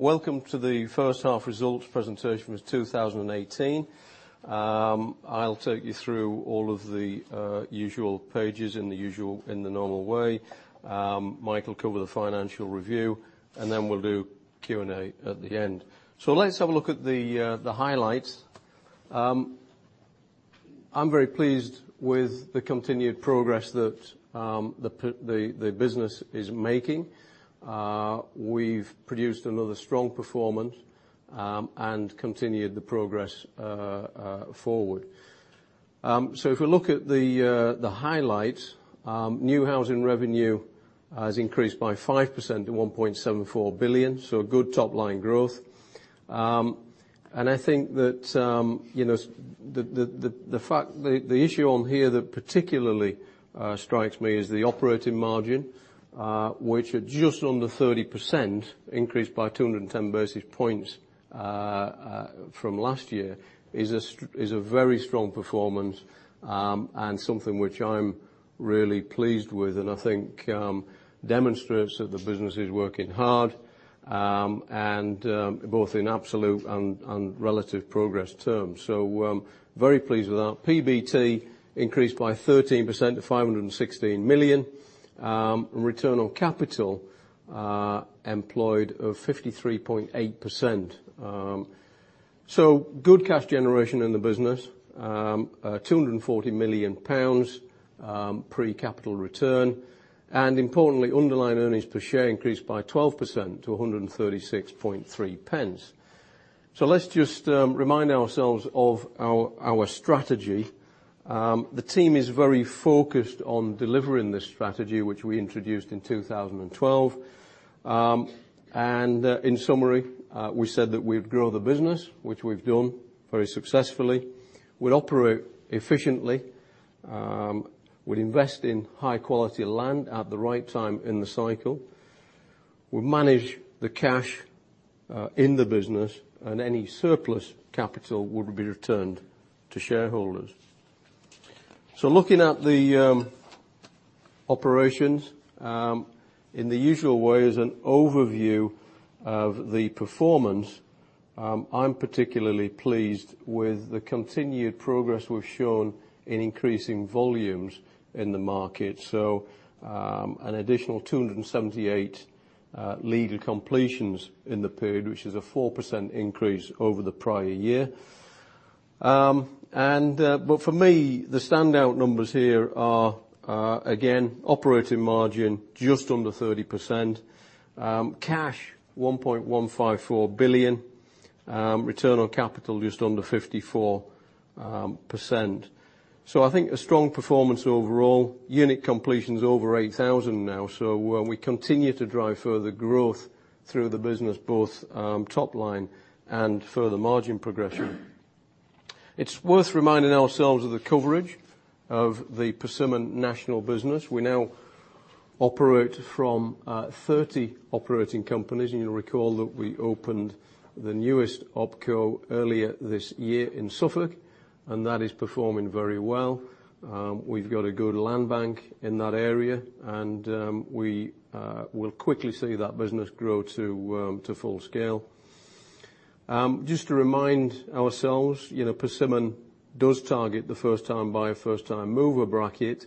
Welcome to the first half results presentation for 2018. I'll take you through all of the usual pages in the normal way. Mike will cover the financial review, and then we'll do Q&A at the end. Let's have a look at the highlights. I'm very pleased with the continued progress that the business is making. We've produced another strong performance and continued the progress forward. If we look at the highlights, new housing revenue has increased by 5% to 1.74 billion, good top-line growth. I think that the issue on here that particularly strikes me is the operating margin, which at just under 30%, increased by 210 basis points from last year, is a very strong performance, and something which I'm really pleased with and I think demonstrates that the business is working hard, both in absolute and relative progress terms. Very pleased with that. PBT increased by 13% to 516 million. Return on capital employed of 53.8%. Good cash generation in the business, 240 million pounds pre capital return. Importantly, underlying earnings per share increased by 12% to 1.363. Let's just remind ourselves of our strategy. The team is very focused on delivering this strategy, which we introduced in 2012. In summary, we said that we'd grow the business, which we've done very successfully. We'd operate efficiently. We'd invest in high quality land at the right time in the cycle. We'd manage the cash in the business, and any surplus capital would be returned to shareholders. Looking at the operations in the usual way as an overview of the performance, I'm particularly pleased with the continued progress we've shown in increasing volumes in the market. An additional 278 legal completions in the period, which is a 4% increase over the prior year. For me, the standout numbers here are, again, operating margin just under 30%, cash 1.154 billion, return on capital just under 54%. I think a strong performance overall. Unit completions over 8,000 now. We continue to drive further growth through the business, both top line and further margin progression. It's worth reminding ourselves of the coverage of the Persimmon national business. We now operate from 30 operating companies, and you'll recall that we opened the newest opco earlier this year in Suffolk, and that is performing very well. We've got a good land bank in that area, and we will quickly see that business grow to full scale. Just to remind ourselves, Persimmon does target the first time buyer, first time mover bracket.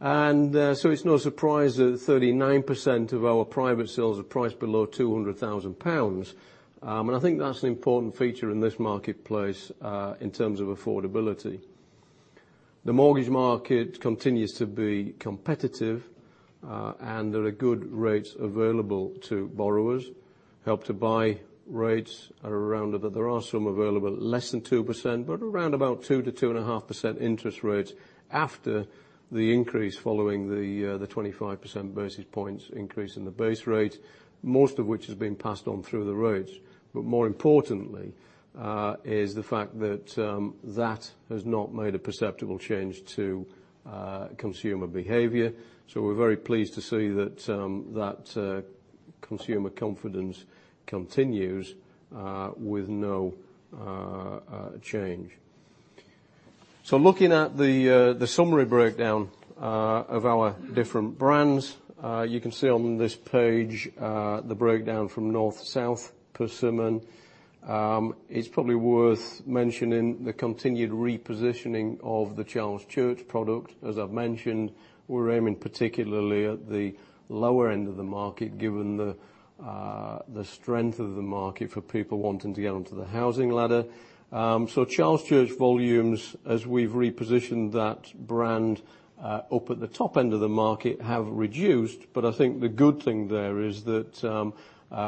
It's no surprise that 39% of our private sales are priced below 200,000 pounds. I think that's an important feature in this marketplace, in terms of affordability. The mortgage market continues to be competitive, and there are good rates available to borrowers. Help to Buy rates are around, there are some available less than 2%, but around about 2%-2.5% interest rates after the increase following the 25 basis points increase in the base rate, most of which has been passed on through the rates. More importantly, is the fact that that has not made a perceptible change to consumer behavior. We're very pleased to see that consumer confidence continues with no change. Looking at the summary breakdown of our different brands. You can see on this page, the breakdown from North to South Persimmon. It's probably worth mentioning the continued repositioning of the Charles Church product. As I've mentioned, we're aiming particularly at the lower end of the market given the strength of the market for people wanting to get onto the housing ladder. Charles Church volumes, as we've repositioned that brand up at the top end of the market, have reduced. I think the good thing there is that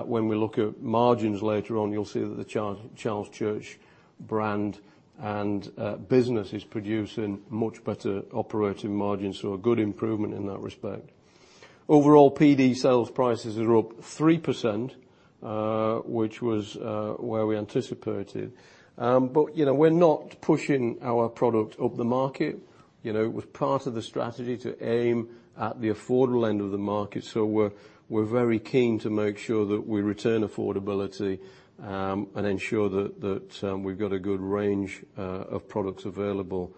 when we look at margins later on, you'll see that the Charles Church brand and business is producing much better operating margins. A good improvement in that respect. Overall PD sales prices are up 3%, which was where we anticipated. We're not pushing our product up the market. It was part of the strategy to aim at the affordable end of the market. We're very keen to make sure that we return affordability, and ensure that we've got a good range of products available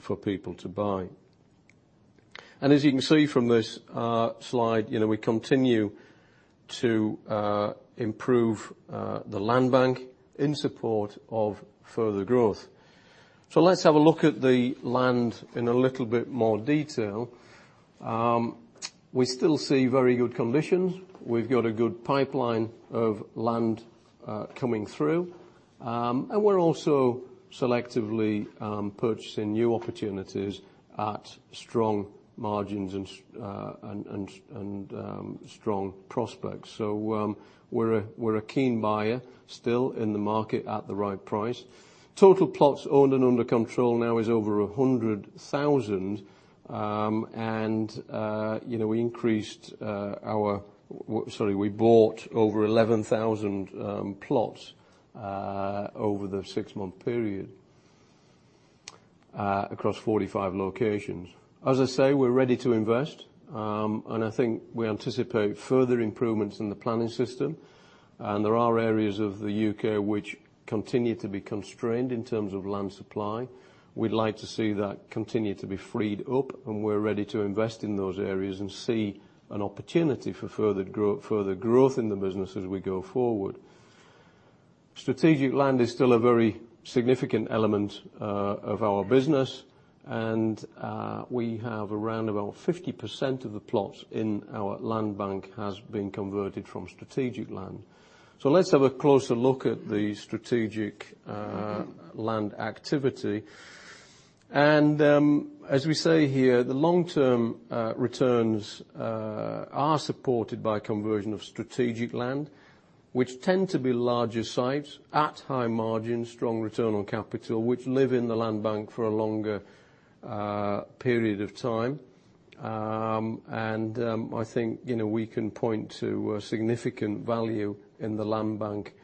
for people to buy. As you can see from this slide, we continue to improve the land bank in support of further growth. Let's have a look at the land in a little bit more detail. We still see very good conditions. We've got a good pipeline of land coming through. We're also selectively purchasing new opportunities at strong margins and strong prospects. We're a keen buyer still in the market at the right price. Total plots owned and under control now is over 100,000. We bought over 11,000 plots over the six-month period across 45 locations. As I say, we're ready to invest. I think we anticipate further improvements in the planning system. There are areas of the U.K. which continue to be constrained in terms of land supply. We'd like to see that continue to be freed up, and we're ready to invest in those areas and see an opportunity for further growth in the business as we go forward. Strategic land is still a very significant element of our business, and we have around about 50% of the plots in our land bank has been converted from strategic land. Let's have a closer look at the strategic land activity. As we say here, the long-term returns are supported by conversion of strategic land, which tend to be larger sites at high margins, strong return on capital, which live in the land bank for a longer period of time. I think we can point to a significant value in the land bank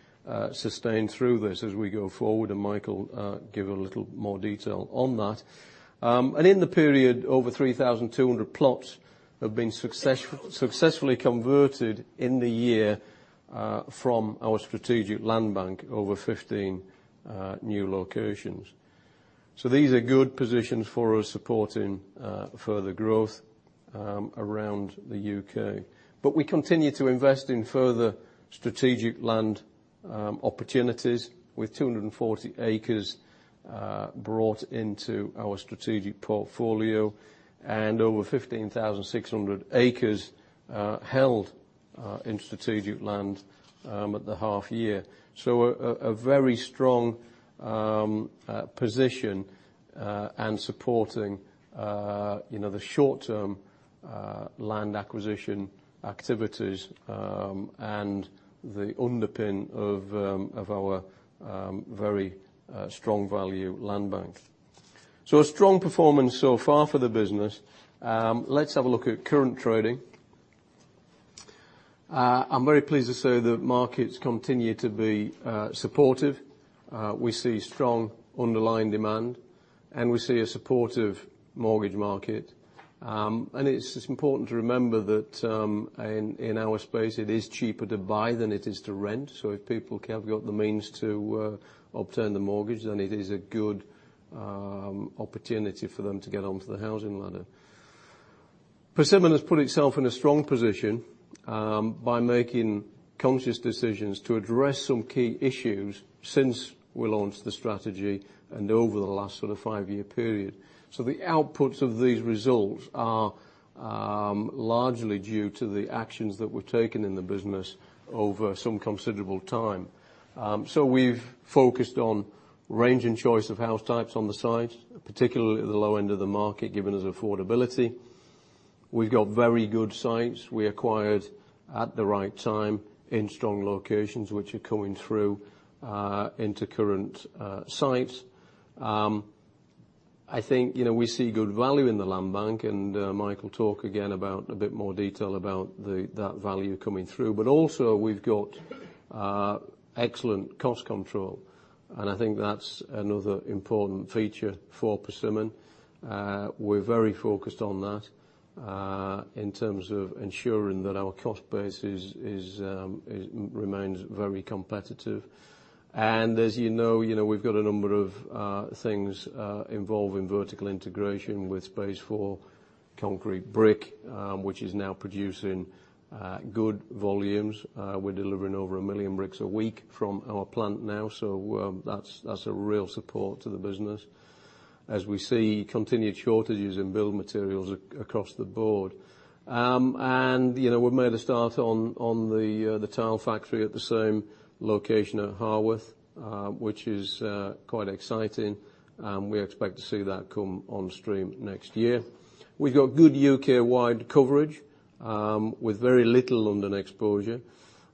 sustained through this as we go forward, and Mike will give a little more detail on that. In the period, over 3,200 plots have been successfully converted in the year from our strategic land bank, over 15 new locations. These are good positions for us supporting further growth around the U.K. We continue to invest in further strategic land opportunities with 240 acres brought into our strategic portfolio and over 15,600 acres held in strategic land at the half year. A very strong position and supporting the short-term land acquisition activities, and the underpin of our very strong value land bank. A strong performance so far for the business. Let's have a look at current trading. I'm very pleased to say that markets continue to be supportive. We see strong underlying demand. We see a supportive mortgage market. It's important to remember that in our space, it is cheaper to buy than it is to rent. If people have got the means to obtain the mortgage, it is a good opportunity for them to get onto the housing ladder. Persimmon has put itself in a strong position by making conscious decisions to address some key issues since we launched the strategy and over the last sort of five-year period. The outputs of these results are largely due to the actions that were taken in the business over some considerable time. We've focused on range and choice of house types on the sites, particularly at the low end of the market, given its affordability. We've got very good sites we acquired at the right time in strong locations, which are coming through into current sites. I think we see good value in the land bank, Mike will talk again about a bit more detail about that value coming through. Also we've got excellent cost control, and I think that's another important feature for Persimmon. We're very focused on that in terms of ensuring that our cost base remains very competitive. As you know, we've got a number of things involving vertical integration with Space4 concrete brick, which is now producing good volumes. We're delivering over 1 million bricks a week from our plant now, that's a real support to the business as we see continued shortages in build materials across the board. We've made a start on the tile factory at the same location at Harworth, which is quite exciting. We expect to see that come on stream next year. We've got good U.K.-wide coverage with very little London exposure.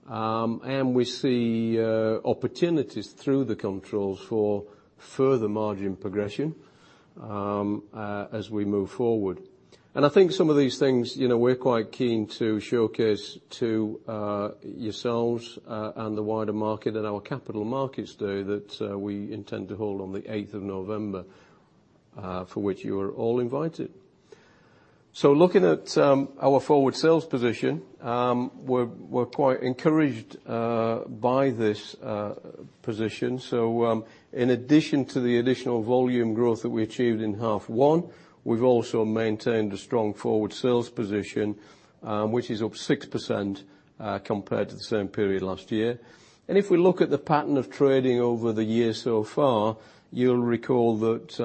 We see opportunities through the controls for further margin progression as we move forward. I think some of these things we're quite keen to showcase to yourselves and the wider market at our capital markets day that we intend to hold on the 8th of November, for which you are all invited. Looking at our forward sales position, we're quite encouraged by this position. In addition to the additional volume growth that we achieved in half one, we've also maintained a strong forward sales position, which is up 6% compared to the same period last year. If we look at the pattern of trading over the year so far, you'll recall that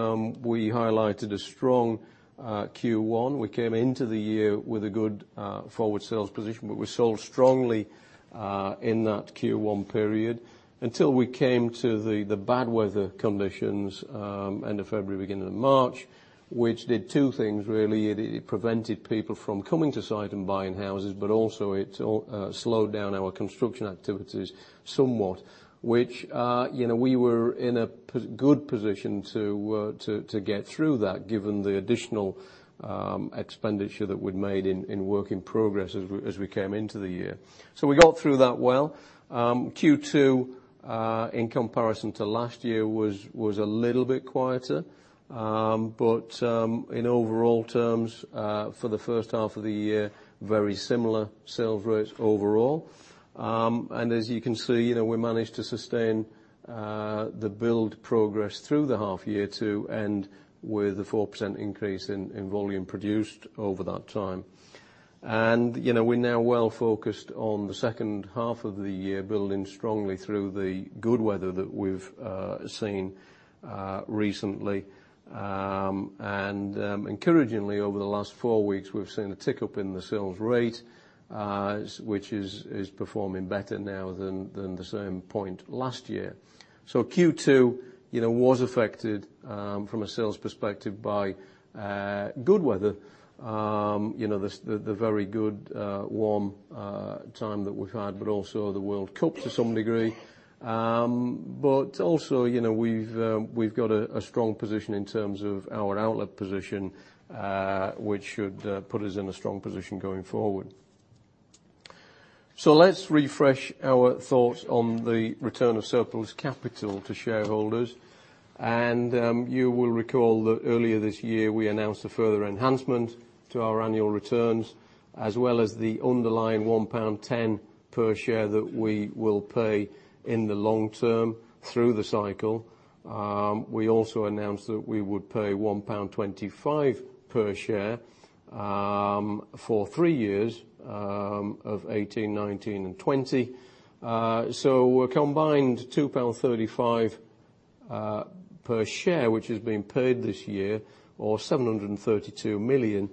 we highlighted a strong Q1. We came into the year with a good forward sales position, we sold strongly in that Q1 period until we came to the bad weather conditions end of February, beginning of March, which did two things really. It prevented people from coming to site and buying houses, also it slowed down our construction activities somewhat, which we were in a good position to get through that, given the additional expenditure that we'd made in work in progress as we came into the year. We got through that well. Q2, in comparison to last year, was a little bit quieter. In overall terms, for the first half of the year, very similar sales rates overall. As you can see, we managed to sustain the build progress through the half year to end with a 4% increase in volume produced over that time. We're now well focused on the second half of the year, building strongly through the good weather that we've seen recently. Encouragingly, over the last four weeks, we've seen a tick-up in the sales rate, which is performing better now than the same point last year. Q2 was affected, from a sales perspective, by good weather. The very good, warm time that we've had, but also the World Cup to some degree. Also, we've got a strong position in terms of our outlet position, which should put us in a strong position going forward. Let's refresh our thoughts on the return of surplus capital to shareholders. You will recall that earlier this year, we announced a further enhancement to our annual returns, as well as the underlying £1.10 per share that we will pay in the long term through the cycle. We also announced that we would pay £1.25 per share for three years of 2018, 2019, and 2020. A combined £2.35 per share, which is being paid this year, or 732 million,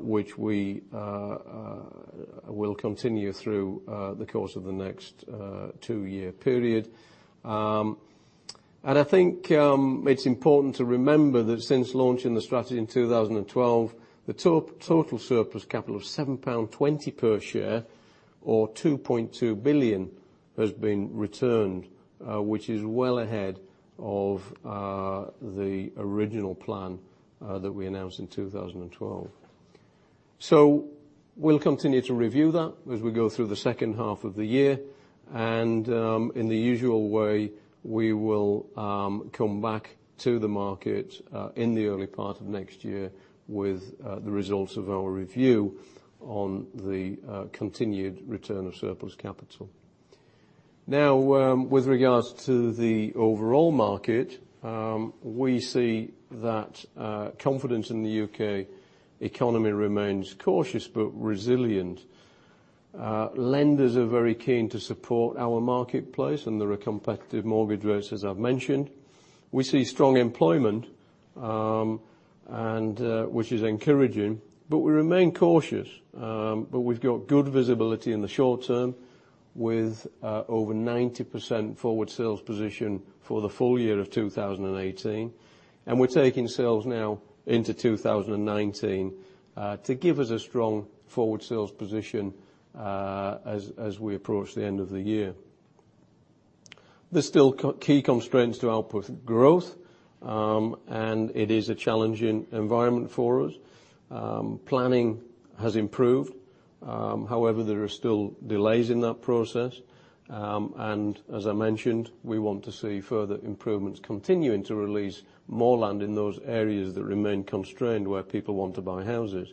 which we will continue through the course of the next two-year period. I think it's important to remember that since launching the strategy in 2012, the total surplus capital of £7.20 per share or 2.2 billion has been returned, which is well ahead of the original plan that we announced in 2012. We'll continue to review that as we go through the second half of the year. In the usual way, we will come back to the market in the early part of next year with the results of our review on the continued return of surplus capital. Now, with regards to the overall market, we see that confidence in the U.K. economy remains cautious but resilient. Lenders are very keen to support our marketplace, and there are competitive mortgage rates, as I've mentioned. We see strong employment, which is encouraging, but we remain cautious. We've got good visibility in the short term with over 90% forward sales position for the full year of 2018. We're taking sales now into 2019 to give us a strong forward sales position as we approach the end of the year. There's still key constraints to output growth, and it is a challenging environment for us. Planning has improved. However, there are still delays in that process. As I mentioned, we want to see further improvements continuing to release more land in those areas that remain constrained where people want to buy houses.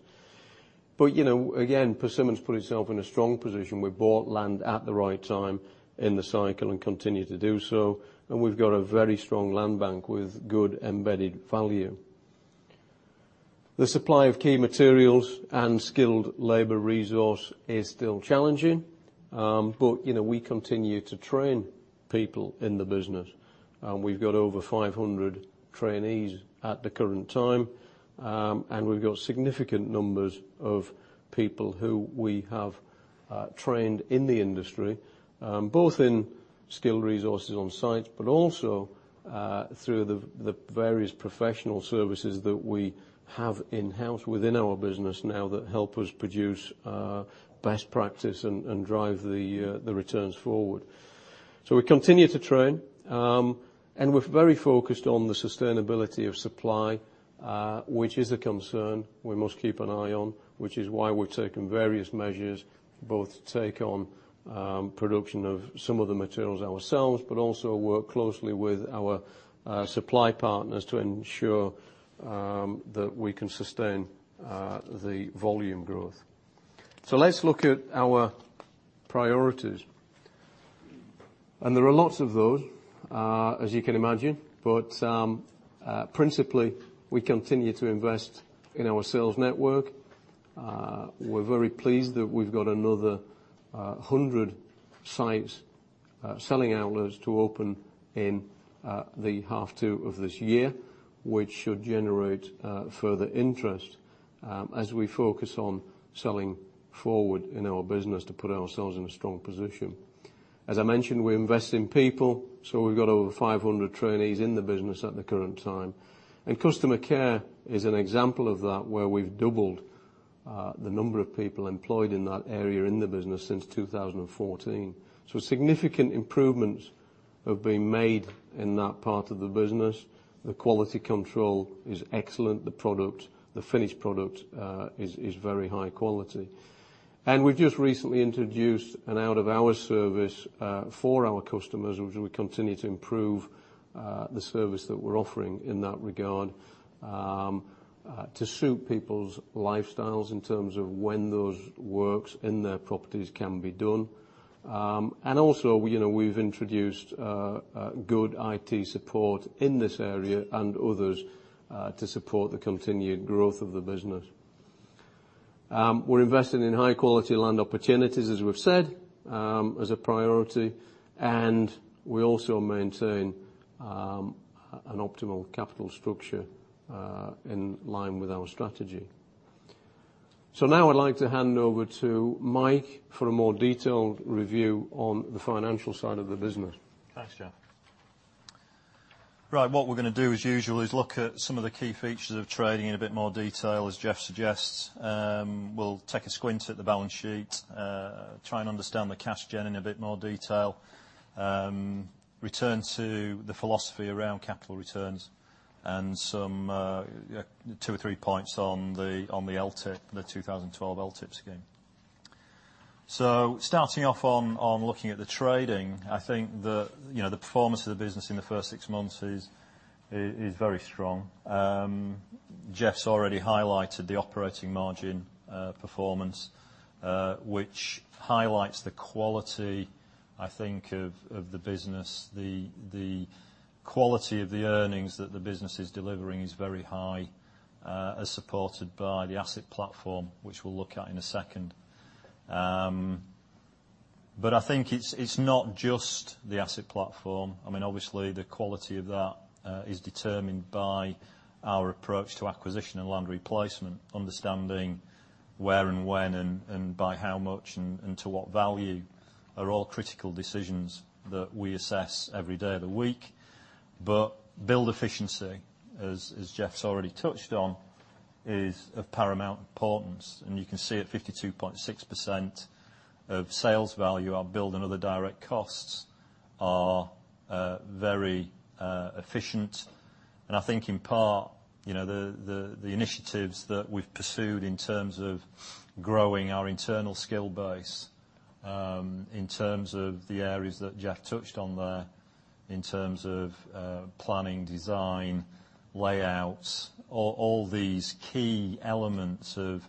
Again, Persimmon's put itself in a strong position. We bought land at the right time in the cycle and continue to do so, and we've got a very strong land bank with good embedded value. The supply of key materials and skilled labor resource is still challenging, but we continue to train people in the business. We've got over 500 trainees at the current time, and we've got significant numbers of people who we have trained in the industry, both in skilled resources on site, but also through the various professional services that we have in-house within our business now that help us produce best practice and drive the returns forward. We continue to train, and we're very focused on the sustainability of supply which is a concern we must keep an eye on, which is why we're taking various measures, both to take on production of some of the materials ourselves, but also work closely with our supply partners to ensure that we can sustain the volume growth. Let's look at our priorities. There are lots of those, as you can imagine. Principally, we continue to invest in our sales network. We're very pleased that we've got another 100 sites, selling outlets to open in the half two of this year, which should generate further interest as we focus on selling forward in our business to put ourselves in a strong position. As I mentioned, we invest in people, so we've got over 500 trainees in the business at the current time. Customer care is an example of that, where we've doubled the number of people employed in that area in the business since 2014. Significant improvements have been made in that part of the business. The quality control is excellent. The finished product is very high quality. We've just recently introduced an out-of-hours service for our customers, which we continue to improve the service that we're offering in that regard, to suit people's lifestyles in terms of when those works in their properties can be done. Also, we've introduced good IT support in this area and others to support the continued growth of the business. We're investing in high-quality land opportunities, as we've said, as a priority, and we also maintain an optimal capital structure in line with our strategy. Now I'd like to hand over to Mike for a more detailed review on the financial side of the business. Thanks, Jeff. Right, what we're going to do, as usual, is look at some of the key features of trading in a bit more detail, as Jeff suggests. We'll take a squint at the balance sheet, try and understand the cash gen in a bit more detail. Return to the philosophy around capital returns and two or three points on the 2012 LTIP scheme. Starting off on looking at the trading, I think the performance of the business in the first six months is very strong. Jeff's already highlighted the operating margin performance, which highlights the quality, I think, of the business. The quality of the earnings that the business is delivering is very high, as supported by the asset platform, which we'll look at in a second. I think it's not just the asset platform. The quality of that is determined by our approach to acquisition and land replacement. Understanding where and when and by how much and to what value are all critical decisions that we assess every day of the week. Build efficiency, as Jeff's already touched on, is of paramount importance. You can see at 52.6% of sales value, our build and other direct costs are very efficient. I think in part, the initiatives that we've pursued in terms of growing our internal skill base, in terms of the areas that Jeff touched on there, in terms of planning, design, layouts. All these key elements of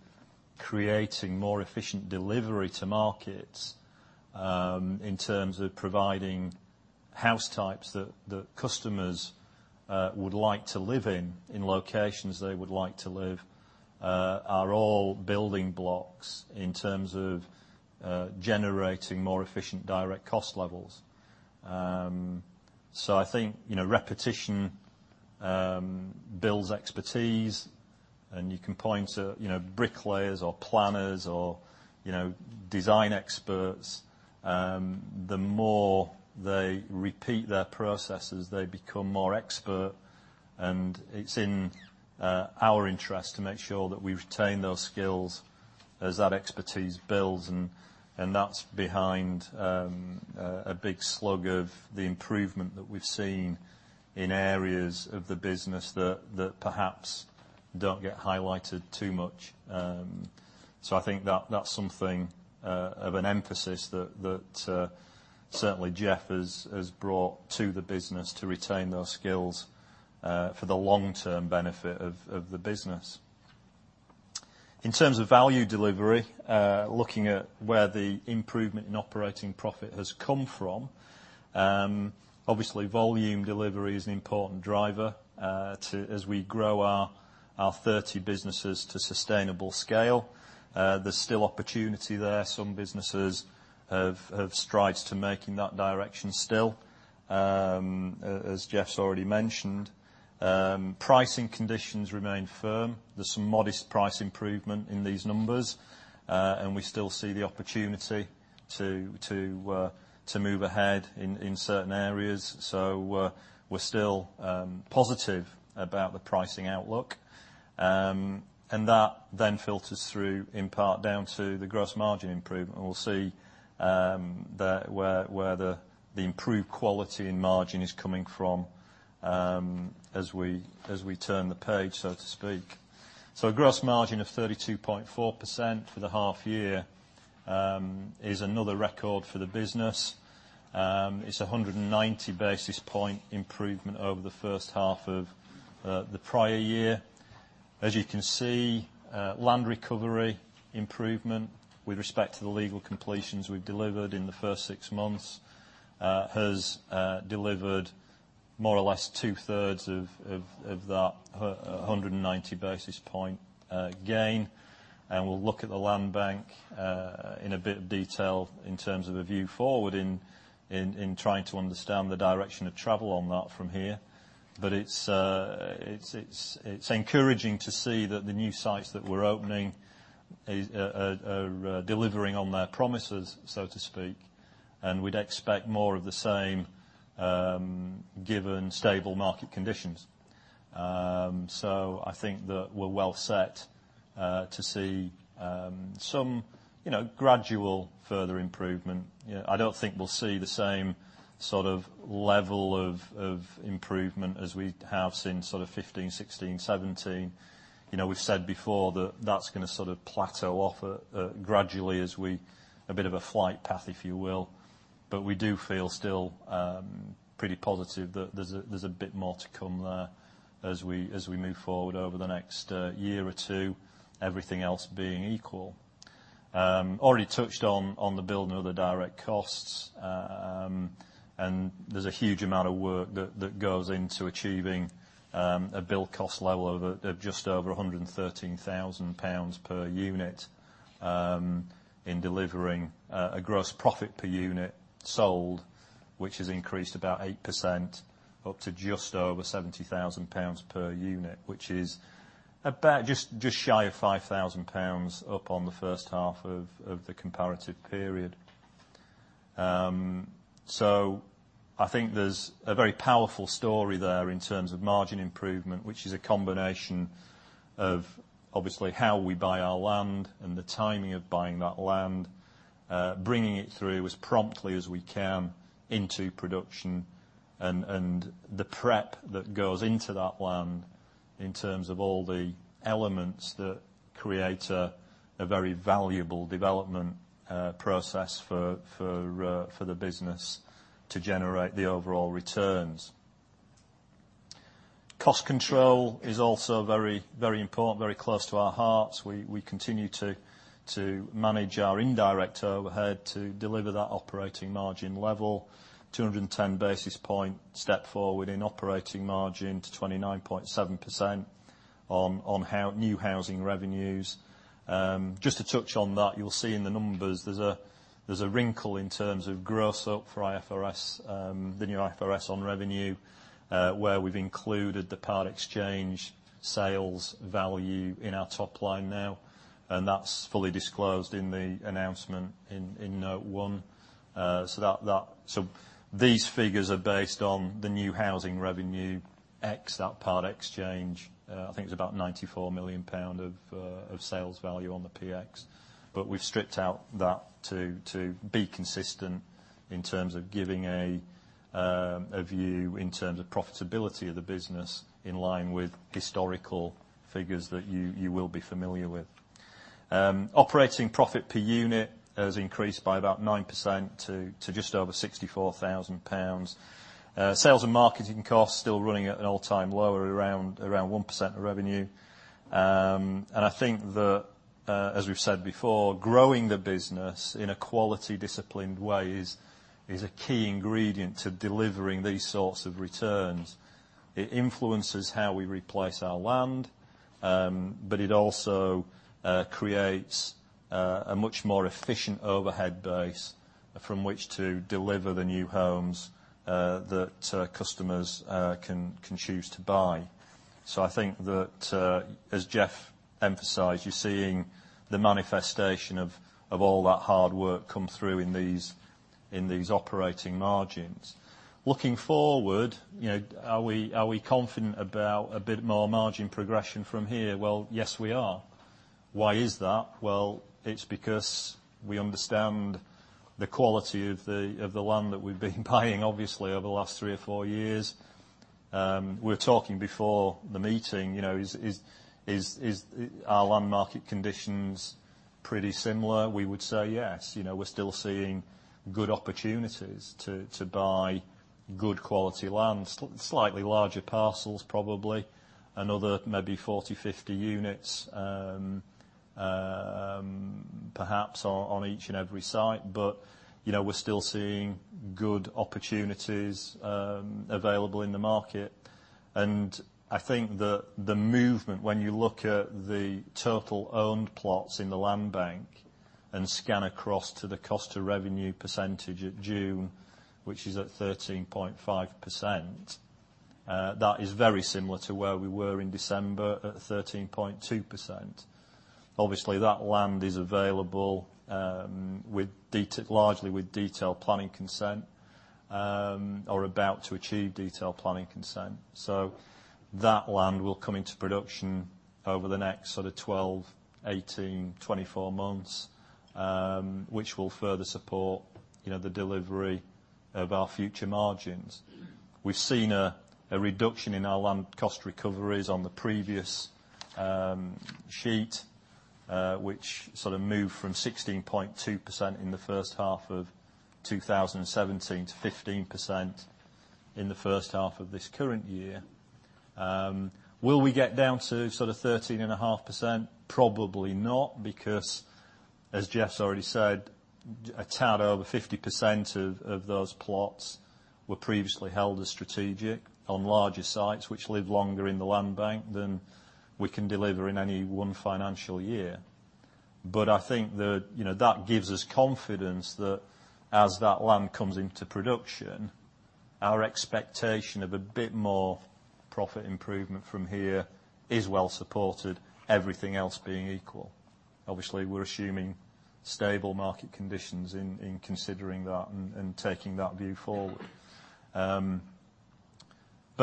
creating more efficient delivery to markets, in terms of providing house types that customers would like to live in locations they would like to live, are all building blocks in terms of generating more efficient direct cost levels. I think repetition builds expertise, and you can point to bricklayers or planners or design experts. The more they repeat their processes, they become more expert, and it's in our interest to make sure that we retain those skills as that expertise builds. That's behind a big slug of the improvement that we've seen in areas of the business that perhaps don't get highlighted too much. I think that's something of an emphasis that certainly Jeff has brought to the business to retain those skills for the long-term benefit of the business. In terms of value delivery, looking at where the improvement in operating profit has come from. Volume delivery is an important driver as we grow our 30 businesses to sustainable scale. There's still opportunity there. Some businesses have strides to make in that direction still. As Jeff's already mentioned, pricing conditions remain firm. There's some modest price improvement in these numbers, and we still see the opportunity to move ahead in certain areas. We're still positive about the pricing outlook. That then filters through in part down to the gross margin improvement. We'll see where the improved quality in margin is coming from as we turn the page, so to speak. A gross margin of 32.4% for the half year is another record for the business. It's 190 basis point improvement over the first half of the prior year. You can see, land recovery improvement with respect to the legal completions we've delivered in the first six months has delivered more or less two-thirds of that 190 basis point gain. We'll look at the land bank in a bit of detail in terms of a view forward in trying to understand the direction of travel on that from here. It's encouraging to see that the new sites that we're opening are delivering on their promises, so to speak, and we'd expect more of the same, given stable market conditions. I think that we're well set to see some gradual further improvement. I don't think we'll see the same sort of level of improvement as we have seen 2015, 2016, 2017. We've said before that that's going to plateau off gradually as we. A bit of a flight path, if you will. We do feel still pretty positive that there's a bit more to come there as we move forward over the next year or two, everything else being equal. Already touched on the build and other direct costs. There's a huge amount of work that goes into achieving a build cost level of just over 113,000 pounds per unit, in delivering a gross profit per unit sold, which has increased about 8% up to just over 70,000 pounds per unit. Which is about just shy of 5,000 pounds up on the first half of the comparative period. I think there's a very powerful story there in terms of margin improvement, which is a combination of obviously how we buy our land and the timing of buying that land, bringing it through as promptly as we can into production, and the prep that goes into that land in terms of all the elements that create a very valuable development process for the business to generate the overall returns. Cost control is also very important, very close to our hearts. We continue to manage our indirect overhead to deliver that operating margin level. 210 basis point step forward in operating margin to 29.7% on new housing revenues. Just to touch on that, you'll see in the numbers, there's a wrinkle in terms of gross up for IFRS, the new IFRS on revenue, where we've included the part exchange sales value in our top line now, and that's fully disclosed in the announcement in note one. These figures are based on the new housing revenue, X that part exchange. I think it's about 94 million pound of sales value on the PX. We've stripped out that to be consistent in terms of giving a view in terms of profitability of the business in line with historical figures that you will be familiar with. Operating profit per unit has increased by about 9% to just over 64,000 pounds. Sales and marketing costs still running at an all-time low are around 1% of revenue. I think that, as we've said before, growing the business in a quality disciplined way is a key ingredient to delivering these sorts of returns. It influences how we replace our land, but it also creates a much more efficient overhead base from which to deliver the new homes that customers can choose to buy. I think that, as Jeff emphasized, you're seeing the manifestation of all that hard work come through in these operating margins. Looking forward, are we confident about a bit more margin progression from here? Well, yes, we are. Why is that? Well, it's because we understand the quality of the land that we've been buying, obviously, over the last three or four years. We were talking before the meeting, is our land market conditions pretty similar? We would say yes. We're still seeing good opportunities to buy good quality land, slightly larger parcels, probably. Another maybe 40, 50 units perhaps on each and every site. We're still seeing good opportunities available in the market. I think that the movement, when you look at the total owned plots in the land bank and scan across to the cost of revenue percentage at June, which is at 13.5%, that is very similar to where we were in December at 13.2%. Obviously, that land is available largely with detailed planning consent, or about to achieve detailed planning consent. That land will come into production over the next sort of 12, 18, 24 months, which will further support the delivery of our future margins. We've seen a reduction in our land cost recoveries on the previous sheet which sort of moved from 16.2% in the first half of 2017 to 15% in the first half of this current year. Will we get down to 13.5%? Probably not, because as Jeff's already said, a tad over 50% of those plots were previously held as strategic on larger sites, which live longer in the land bank than we can deliver in any one financial year. I think that gives us confidence that as that land comes into production, our expectation of a bit more profit improvement from here is well supported, everything else being equal. We're assuming stable market conditions in considering that and taking that view forward.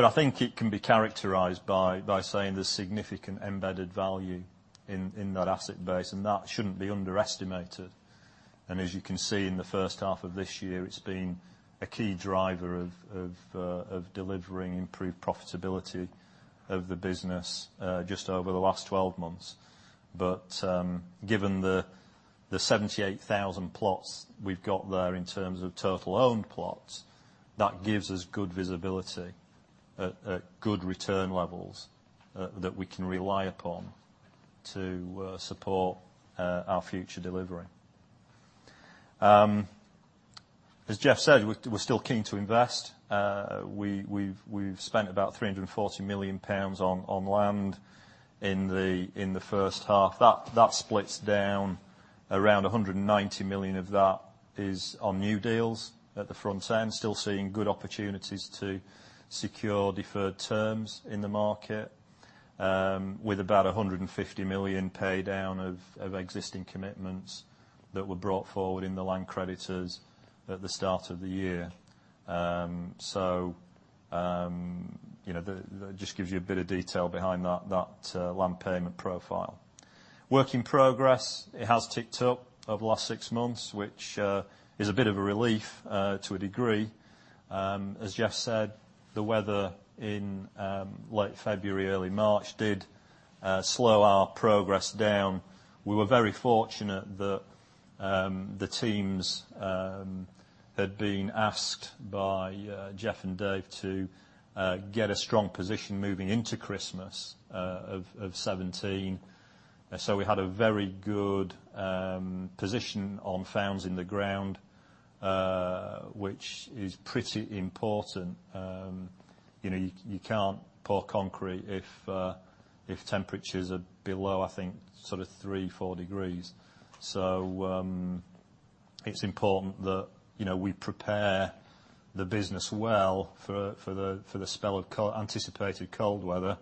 I think it can be characterized by saying there's significant embedded value in that asset base, and that shouldn't be underestimated. As you can see in the first half of this year, it's been a key driver of delivering improved profitability of the business just over the last 12 months. Given the 78,000 plots we've got there in terms of total owned plots, that gives us good visibility at good return levels that we can rely upon to support our future delivery. As Jeff said, we're still keen to invest. We've spent about 340 million pounds on land in the first half. That splits down, around 190 million of that is on new deals at the front end. Still seeing good opportunities to secure deferred terms in the market. With about 150 million pay down of existing commitments that were brought forward in the land creditors at the start of the year. That just gives you a bit of detail behind that land payment profile. Work in progress, it has ticked up over the last six months, which is a bit of a relief to a degree. As Jeff said, the weather in late February, early March, did slow our progress down. We were very fortunate that the teams had been asked by Jeff and Dave to get a strong position moving into Christmas of 2017. We had a very good position on foundations in the ground, which is pretty important. You can't pour concrete if temperatures are below, I think, three, four degrees. It's important that we prepare the business well for the spell of anticipated cold weather.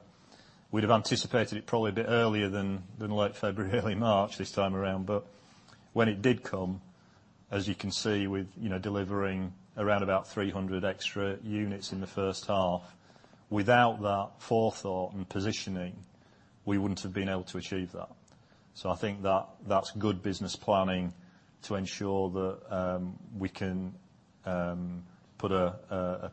We'd have anticipated it probably a bit earlier than late February, early March this time around. When it did come, as you can see, with delivering around about 300 extra units in the first half. Without that forethought and positioning, we wouldn't have been able to achieve that. I think that's good business planning to ensure that we can put the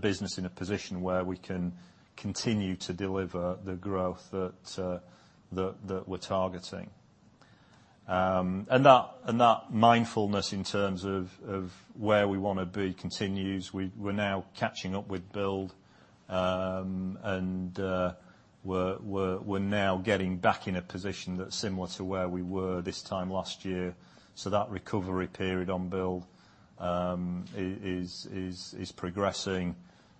business in a position where we can continue to deliver the growth that we're targeting. That mindfulness in terms of where we want to be continues. We're now catching up with build. We're now getting back in a position that's similar to where we were this time last year. That recovery period on build is progressing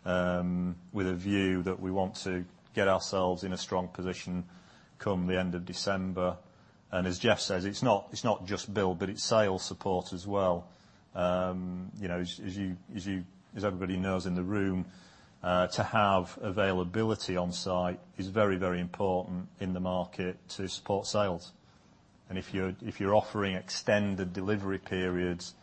with a view that we want to get ourselves in a strong position come the end of December. As Jeff says, it's not just build, but it's sales support as well. As everybody knows in the room, to have availability on site is very important in the market to support sales. If you're offering extended delivery periods,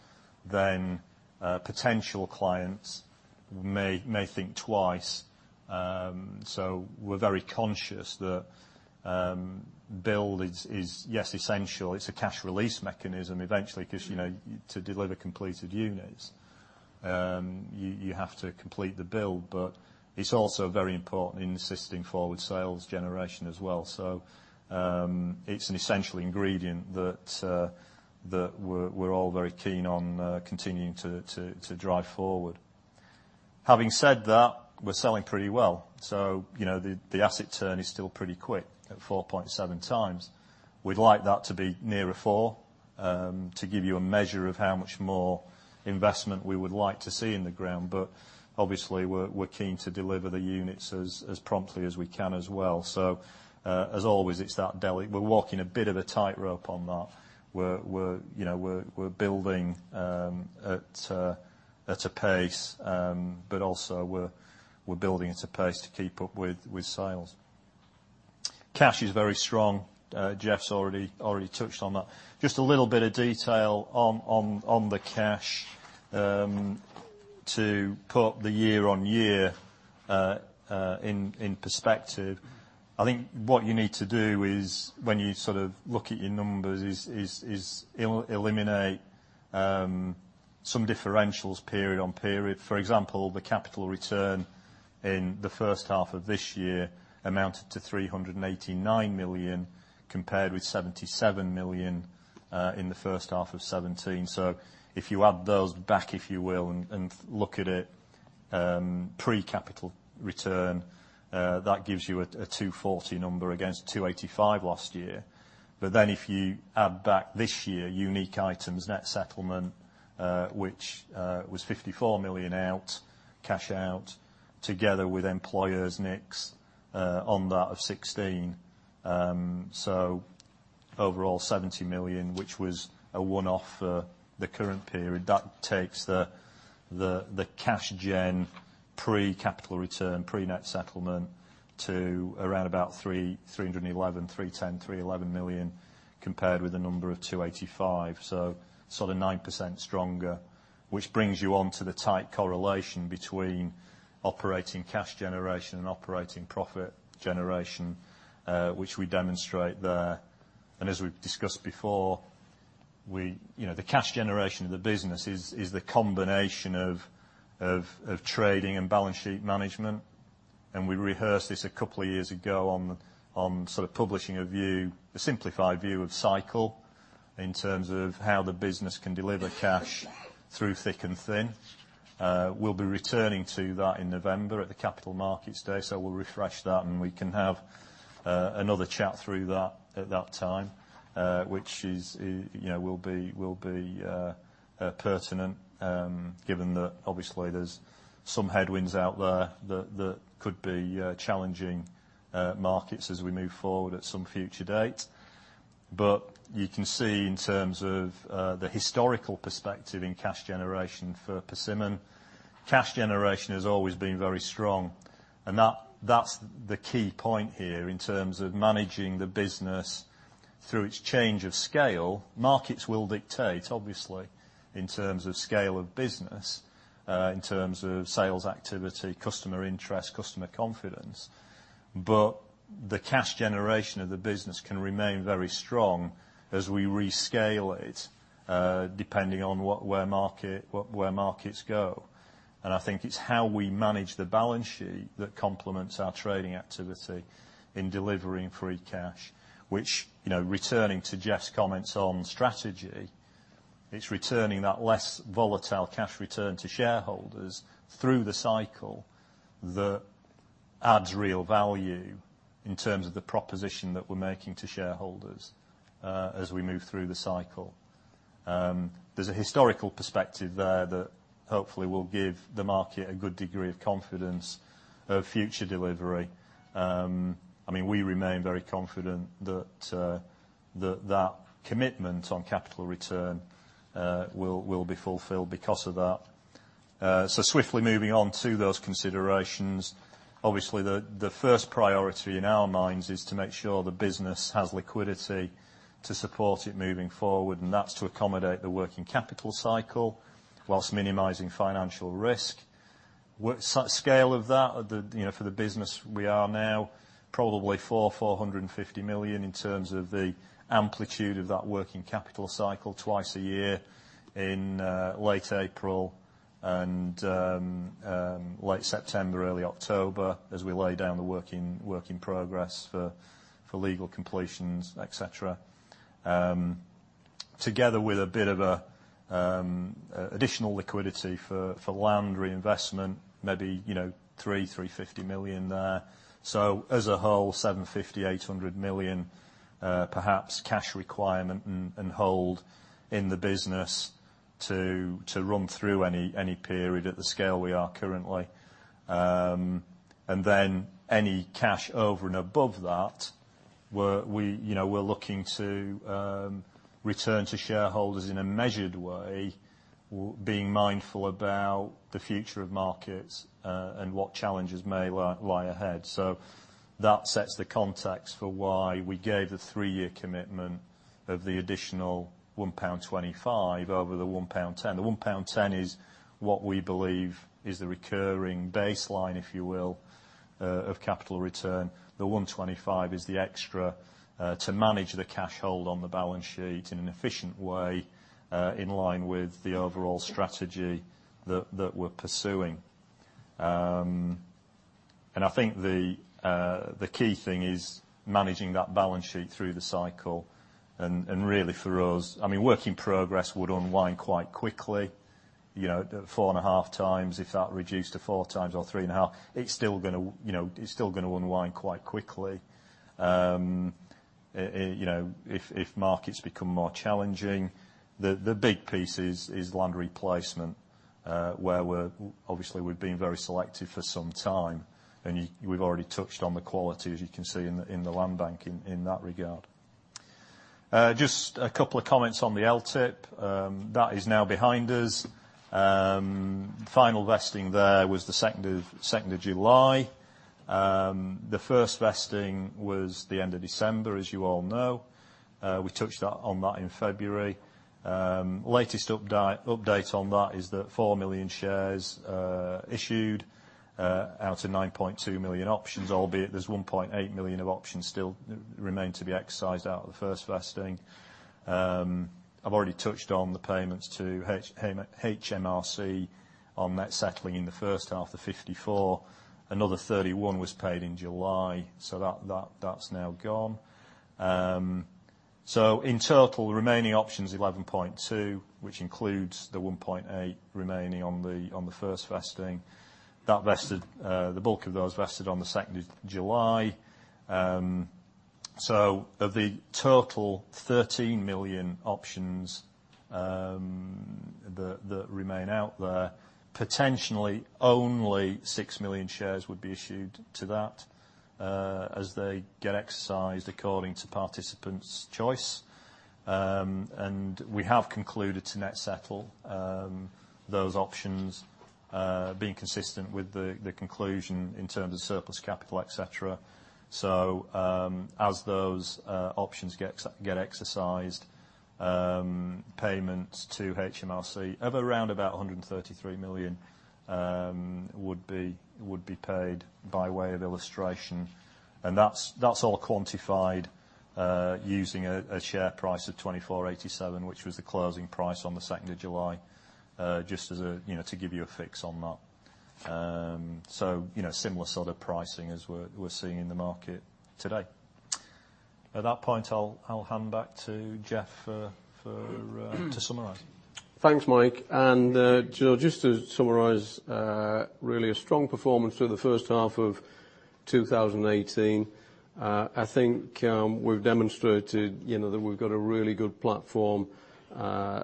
potential clients may think twice. We're very conscious that build is, yes, essential. It's a cash release mechanism eventually, because to deliver completed units, you have to complete the build. It's also very important in assisting forward sales generation as well. It's an essential ingredient that we're all very keen on continuing to drive forward. Having said that, we're selling pretty well. The asset turn is still pretty quick at 4.7 times. We'd like that to be nearer four, to give you a measure of how much more investment we would like to see in the ground. Obviously, we're keen to deliver the units as promptly as we can as well. As always, we're walking a bit of a tightrope on that. We're building at a pace, also we're building at a pace to keep up with sales. Cash is very strong. Jeff's already touched on that. Just a little bit of detail on the cash. To put the year-on-year in perspective, I think what you need to do is when you look at your numbers is eliminate some differentials period on period. For example, the capital return in the first half of this year amounted to 389 million, compared with 77 million in the first half of 2017. If you add those back, if you will, and look at it pre capital return, that gives you a 240 number against 285 last year. If you add back this year, unique items, net settlement, which was 54 million out, cash out, together with employers' NICs on that of 16. Overall, 70 million, which was a one-off for the current period. That takes the cash gen pre capital return, pre net settlement to around about 311, 310, 311 million, compared with a number of 285. Sort of 9% stronger. Which brings you on to the tight correlation between operating cash generation and operating profit generation, which we demonstrate there. As we've discussed before, the cash generation of the business is the combination of trading and balance sheet management. We rehearsed this a couple of years ago on publishing a view, a simplified view of cycle in terms of how the business can deliver cash through thick and thin. We'll be returning to that in November at the Capital Markets Day, we'll refresh that, and we can have another chat through that at that time, which will be pertinent, given that obviously there's some headwinds out there that could be challenging markets as we move forward at some future date. You can see in terms of the historical perspective in cash generation for Persimmon, cash generation has always been very strong, and that's the key point here in terms of managing the business through its change of scale. Markets will dictate, obviously, in terms of scale of business, in terms of sales activity, customer interest, customer confidence. The cash generation of the business can remain very strong as we rescale it, depending on where markets go. I think it's how we manage the balance sheet that complements our trading activity in delivering free cash, which, returning to Jeff's comments on strategy, it's returning that less volatile cash return to shareholders through the cycle that adds real value in terms of the proposition that we're making to shareholders as we move through the cycle. There's a historical perspective there that hopefully will give the market a good degree of confidence of future delivery. We remain very confident that that commitment on capital return will be fulfilled because of that. Swiftly moving on to those considerations. Obviously, the first priority in our minds is to make sure the business has liquidity to support it moving forward, and that's to accommodate the working capital cycle whilst minimizing financial risk. Scale of that for the business we are now, probably 400 million-450 million in terms of the amplitude of that working capital cycle 2 times a year in late April and late September, early October, as we lay down the work in progress for legal completions, et cetera. Together with a bit of additional liquidity for land reinvestment, maybe 300 million-350 million there. As a whole, 750 million-800 million perhaps cash requirement and hold in the business to run through any period at the scale we are currently. Any cash over and above that, we're looking to return to shareholders in a measured way, being mindful about the future of markets, and what challenges may lie ahead. That sets the context for why we gave the 3-year commitment of the additional 1.25 pound over the 1.10 pound. The 1.10 pound is what we believe is the recurring baseline, if you will, of capital return. The 1.25 is the extra to manage the cash hold on the balance sheet in an efficient way, in line with the overall strategy that we're pursuing. I think the key thing is managing that balance sheet through the cycle and really for us. Working progress would unwind quite quickly, 4.5x. If that reduced to 4x or 3.5x, it's still going to unwind quite quickly. If markets become more challenging. The big piece is land replacement, where obviously we've been very selective for some time, and we've already touched on the quality, as you can see in the land bank in that regard. A couple of comments on the LTIP. That is now behind us. Final vesting there was the 2nd of July. The first vesting was the end of December, as you all know. We touched on that in February. Latest update on that is that 4 million shares are issued out of 9.2 million options, albeit there's 1.8 million of options still remain to be exercised out of the first vesting. I've already touched on the payments to HMRC on net settling in the first half, the 54 million. Another 31 million was paid in July. That's now gone. In total, remaining options 11.2 million, which includes the 1.8 million remaining on the first vesting. The bulk of those vested on the 2nd of July. Of the total 13 million options that remain out there, potentially only 6 million shares would be issued to that as they get exercised according to participant's choice. We have concluded to net settle those options, being consistent with the conclusion in terms of surplus capital, et cetera. As those options get exercised, payments to HMRC of around about 133 million would be paid, by way of illustration. That's all quantified using a share price of 2,487, which was the closing price on the 2nd of July, just to give you a fix on that. Similar sort of pricing as we're seeing in the market today. At that point, I'll hand back to Jeff to summarize. Thanks, Mike. Just to summarize, really a strong performance through the first half of 2018. I think we've demonstrated that we've got a really good platform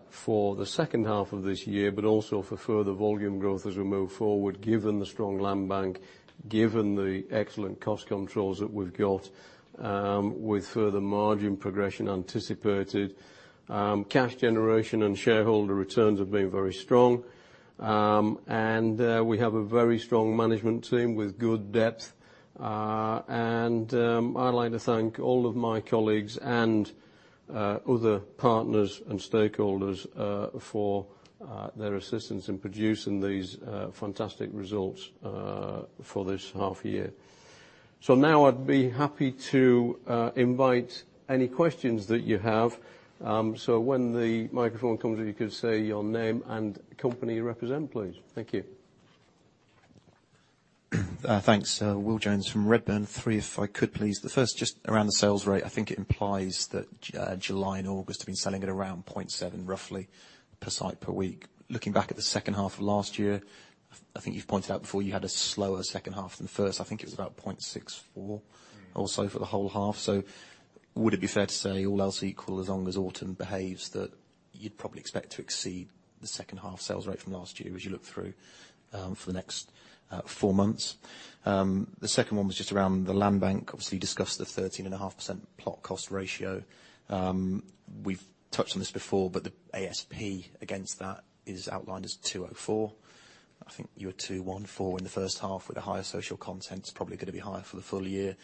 for the second half of this year, but also for further volume growth as we move forward, given the strong land bank, given the excellent cost controls that we've got, with further margin progression anticipated. Cash generation and shareholder returns have been very strong. We have a very strong management team with good depth. I'd like to thank all of my colleagues and other partners and stakeholders for their assistance in producing these fantastic results for this half year. Now I'd be happy to invite any questions that you have. When the microphone comes, if you could say your name and the company you represent, please. Thank you. Thanks. Will Jones from Redburn. Three, if I could please. The first just around the sales rate. I think it implies that July and August have been selling at around 0.7, roughly, per site per week. Looking back at the second half of last year, I think you've pointed out before you had a slower second half than the first. I think it was about 0.64 or so for the whole half. Would it be fair to say, all else equal, as long as autumn behaves, that you'd probably expect to exceed the second half sales rate from last year as you look through for the next four months? The second one was just around the land bank. Obviously, you discussed the 13.5% plot cost ratio. We've touched on this before, but the ASP against that is outlined as 204. I think you were 214 in the first half with the higher social content. It's probably going to be higher for the full year.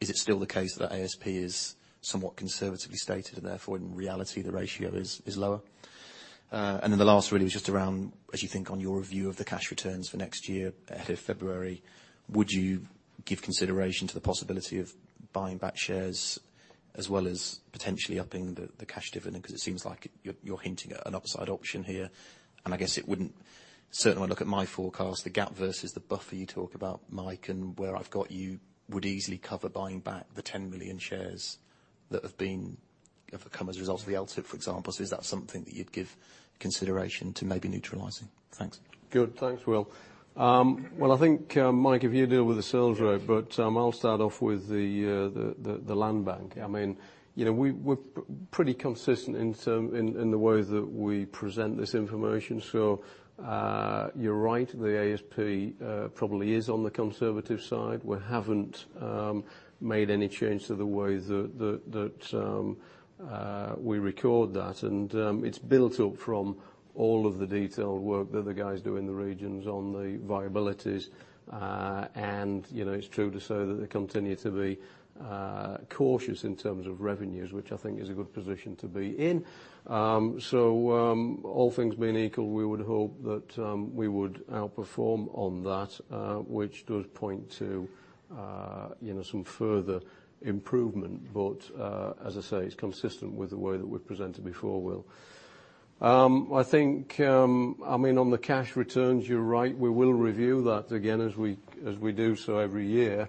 Is it still the case that ASP is somewhat conservatively stated and therefore in reality the ratio is lower? Then the last really is just around, as you think on your view of the cash returns for next year ahead of February, would you give consideration to the possibility of buying back shares as well as potentially upping the cash dividend? It seems like you're hinting at an upside option here. I guess it wouldn't. Certainly when I look at my forecast, the gap versus the buffer you talk about, Mike, and where I've got you would easily cover buying back the 10 million shares that have come as a result of the LTIP, for example. Is that something that you'd give consideration to maybe neutralizing? Thanks. Good. Thanks, Will. I think, Mike, if you deal with the sales rate. Yeah. I'll start off with the land bank. We're pretty consistent in the way that we present this information. You're right, the ASP probably is on the conservative side. We haven't made any change to the way that we record that. It's built up from all of the detailed work that the guys do in the regions on the viabilities. It's true to say that they continue to be cautious in terms of revenues, which I think is a good position to be in. All things being equal, we would hope that we would outperform on that, which does point to some further improvement. As I say, it's consistent with the way that we've presented before, Will. I think on the cash returns, you're right. We will review that again as we do so every year.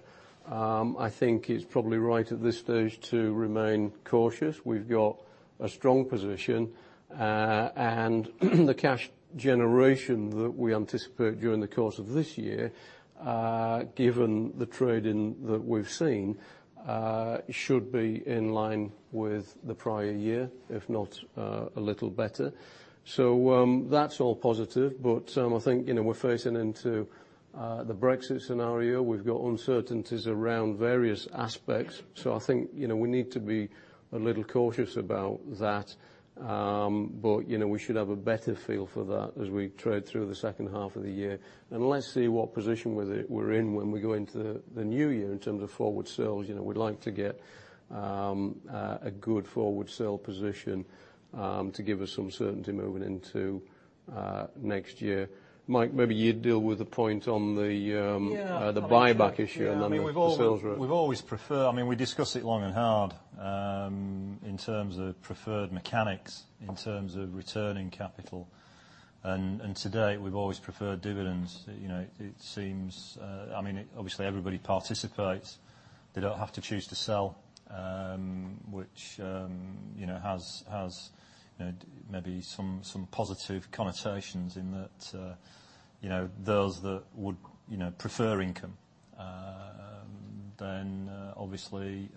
I think it's probably right at this stage to remain cautious. We've got a strong position. The cash generation that we anticipate during the course of this year, given the trading that we've seen, should be in line with the prior year, if not a little better. That's all positive. I think we're facing into the Brexit scenario. We've got uncertainties around various aspects. I think we need to be a little cautious about that. We should have a better feel for that as we trade through the second half of the year. Let's see what position we're in when we go into the new year in terms of forward sales. We'd like to get a good forward sale position to give us some certainty moving into next year. Mike, maybe you deal with the point on the Yeah The buyback issue the sales rep. We've always prefer, we discuss it long and hard in terms of preferred mechanics, in terms of returning capital. To date, we've always preferred dividends. Obviously, everybody participates. They don't have to choose to sell, which has maybe some positive connotations in that those that would prefer income, then obviously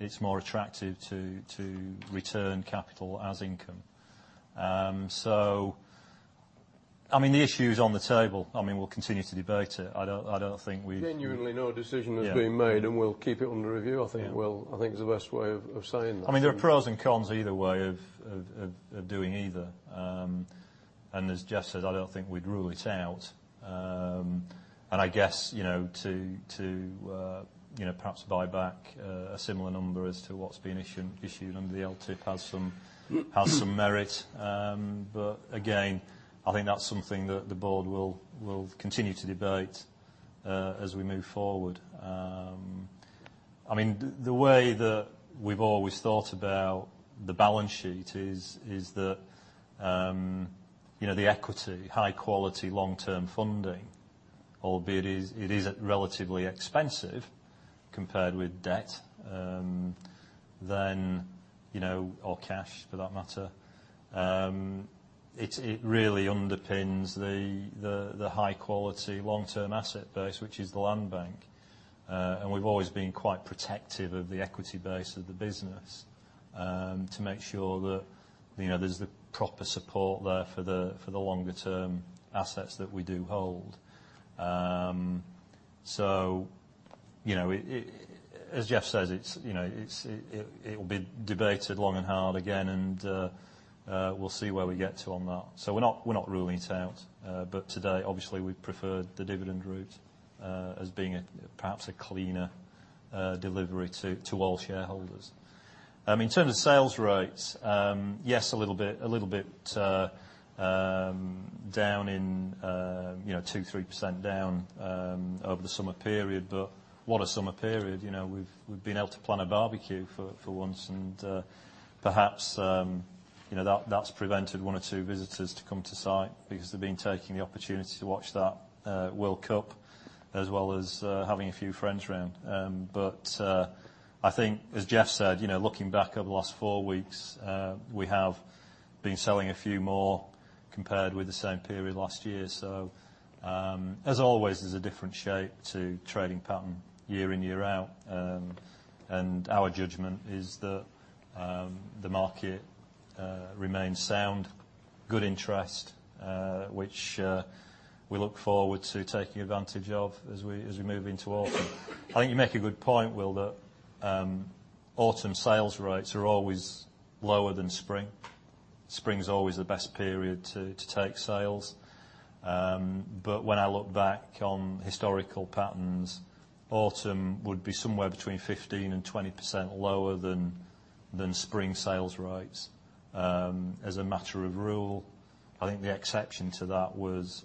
it's more attractive to return capital as income. The issue is on the table. We'll continue to debate it. Genuinely, no decision has been made. Yeah We'll keep it under review. Yeah is the best way of saying that. There are pros and cons either way of doing either. As Jeff said, I don't think we'd rule it out. I guess, to perhaps buy back a similar number as to what's been issued under the LTIP has some merit. Again, I think that's something that the board will continue to debate as we move forward. The way that we've always thought about the balance sheet is that the equity, high quality long-term funding, albeit it is relatively expensive compared with debt, or cash for that matter, it really underpins the high quality long-term asset base, which is the land bank. We've always been quite protective of the equity base of the business to make sure that there's the proper support there for the longer term assets that we do hold. As Jeff says, it will be debated long and hard again, and we'll see where we get to on that. We're not ruling it out. To date, obviously we've preferred the dividend route, as being perhaps a cleaner delivery to all shareholders. In terms of sales rates, yes, a little bit down, 2%, 3% down over the summer period. What a summer period. We've been able to plan a barbecue for once, perhaps that's prevented one or two visitors to come to site because they've been taking the opportunity to watch the World Cup as well as having a few friends round. I think, as Jeff said, looking back over the last four weeks, we have been selling a few more compared with the same period last year. As always, there's a different shape to trading pattern year in, year out. Our judgment is that the market remains sound. Good interest, which we look forward to taking advantage of as we move into autumn. I think you make a good point, Will, that autumn sales rates are always lower than spring. Spring is always the best period to take sales. When I look back on historical patterns, autumn would be somewhere between 15%-20% lower than spring sales rates, as a matter of rule. I think the exception to that was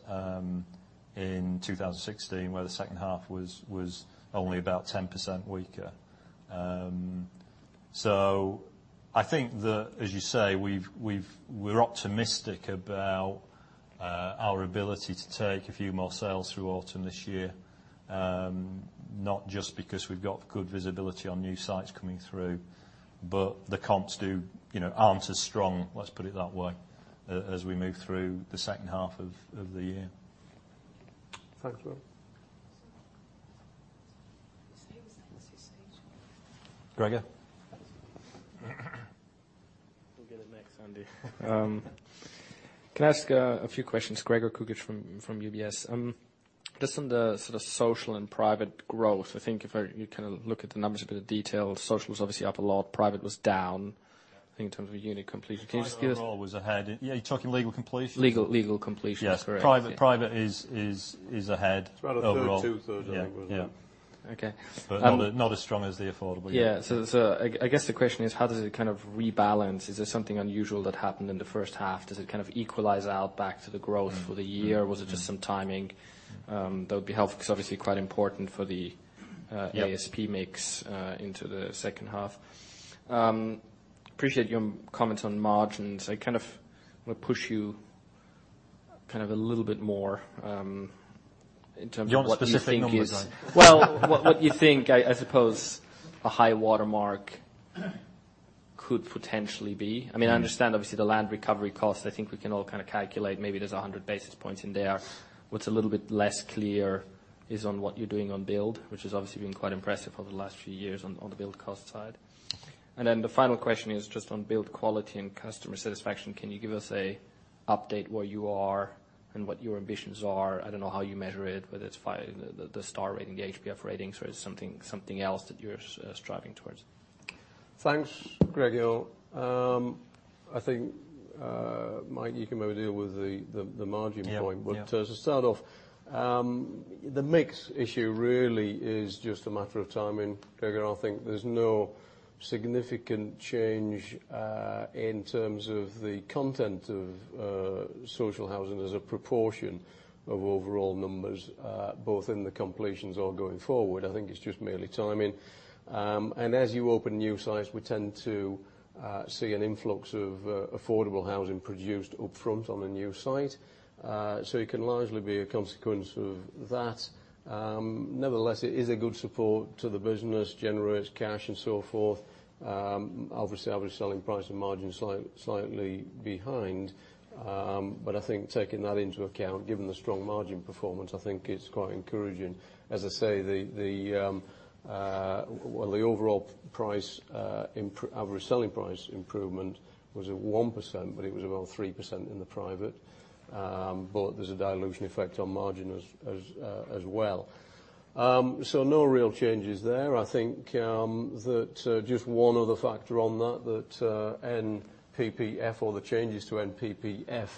in 2016, where the second half was only about 10% weaker. I think that, as you say, we're optimistic about our ability to take a few more sales through autumn this year. Not just because we've got good visibility on new sites coming through, but the comps aren't as strong, let's put it that way, as we move through the second half of the year. Thanks, Will. Gregor. You'll get it next, Andy. Can I ask a few questions? Gregor Kuglitsch from UBS. On the sort of social and private growth, I think if you kind of look at the numbers in a bit of detail, social was obviously up a lot, private was down, I think in terms of unit completion. Can you just give us- Private overall was ahead. Are you talking legal completions? Legal completions. Correct. Yes. Private is ahead overall. It's about a 32, 30, wasn't it? Yeah. Okay. Not as strong as the affordable. Yeah. I guess the question is, how does it kind of rebalance? Is there something unusual that happened in the first half? Does it kind of equalize out back to the growth for the year? Was it just some timing? That would be helpful, because obviously quite important for. Yeah ASP mix into the second half. Appreciate your comments on margins. I kind of want to push you a little bit more in terms of what you think. You want specific numbers, right? Well, what you think, I suppose, a high watermark could potentially be. I understand, obviously, the land recovery cost. I think we can all kind of calculate maybe there's 100 basis points in there. What's a little bit less clear is on what you're doing on build, which has obviously been quite impressive over the last few years on the build cost side. The final question is just on build quality and customer satisfaction. Can you give us a update where you are and what your ambitions are? I don't know how you measure it, whether it's via the Star rating, the HBF ratings, or it's something else that you're striving towards. Thanks, Gregor. I think, Mike, you can maybe deal with the margin point. Yeah. To start off, the mix issue really is just a matter of timing, Gregor. I think there's no significant change in terms of the content of social housing as a proportion of overall numbers, both in the completions or going forward. I think it's just merely timing. As you open new sites, we tend to See an influx of affordable housing produced upfront on a new site. It can largely be a consequence of that. Nevertheless, it is a good support to the business, generates cash and so forth. Obviously, average selling price and margin slightly behind. I think taking that into account, given the strong margin performance, I think it's quite encouraging. As I say, the overall average selling price improvement was at 1%, but it was above 3% in the private. There's a dilution effect on margin as well. No real changes there. I think that just one other factor on that NPPF or the changes to NPPF,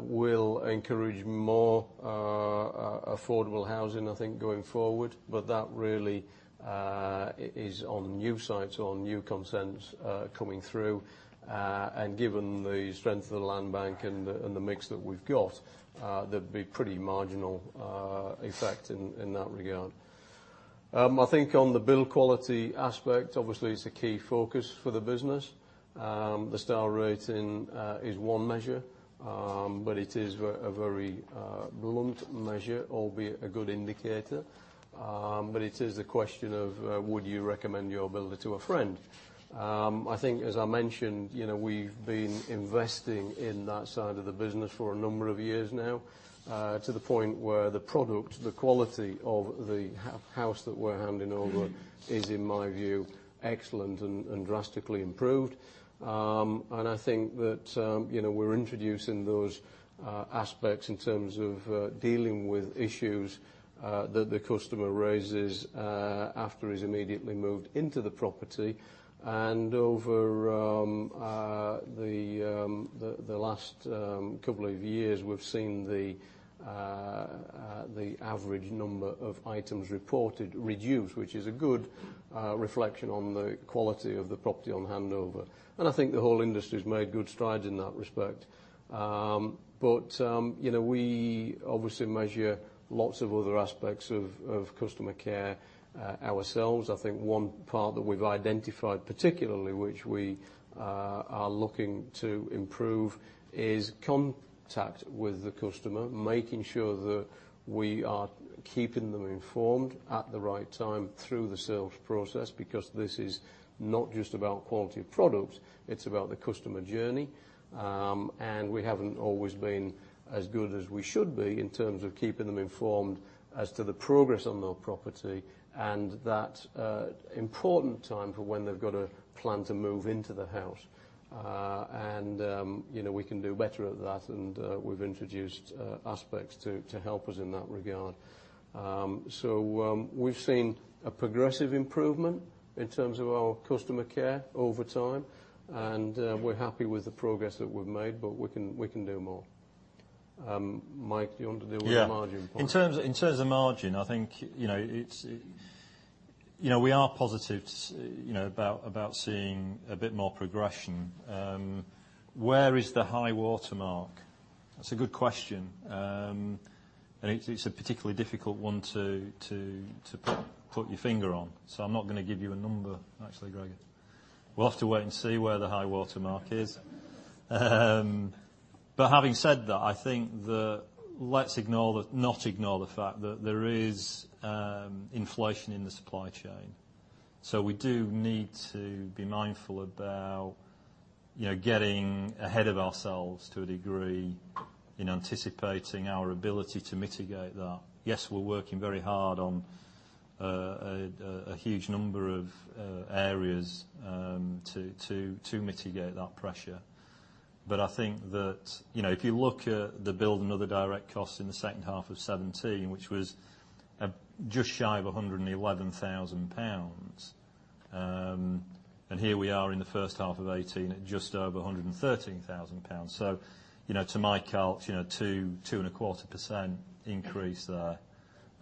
will encourage more affordable housing, I think, going forward. That really is on new sites or on new consents coming through. Given the strength of the land bank and the mix that we've got, there'd be pretty marginal effect in that regard. I think on the build quality aspect, obviously, it's a key focus for the business. The star rating is one measure, but it is a very blunt measure, albeit a good indicator. It is a question of, would you recommend your builder to a friend? I think, as I mentioned, we've been investing in that side of the business for a number of years now, to the point where the product, the quality of the house that we're handing over is, in my view, excellent and drastically improved. I think that we're introducing those aspects in terms of dealing with issues that the customer raises after he's immediately moved into the property. Over the last couple of years, we've seen the average number of items reported reduced, which is a good reflection on the quality of the property on handover. I think the whole industry's made good strides in that respect. We obviously measure lots of other aspects of customer care ourselves. I think one part that we've identified, particularly which we are looking to improve is contact with the customer, making sure that we are keeping them informed at the right time through the sales process, because this is not just about quality of product, it's about the customer journey. We haven't always been as good as we should be in terms of keeping them informed as to the progress on their property. That important time for when they've got to plan to move into the house. We can do better at that, and we've introduced aspects to help us in that regard. We've seen a progressive improvement in terms of our customer care over time, and we're happy with the progress that we've made, but we can do more. Mike, do you want to deal with the margin part? Yeah. In terms of margin, I think we are positive about seeing a bit more progression. Where is the high water mark? That's a good question. It's a particularly difficult one to put your finger on. I'm not going to give you a number, actually, Greg. We'll have to wait and see where the high water mark is. Having said that, I think let's not ignore the fact that there is inflation in the supply chain. We do need to be mindful about getting ahead of ourselves to a degree in anticipating our ability to mitigate that. Yes, we're working very hard on a huge number of areas to mitigate that pressure. I think that if you look at the build and other direct costs in the second half of 2017, which was just shy of 111,000 pounds. Here we are in the first half of 2018 at just over 113,000 pounds. To my calc, 2.25% increase there.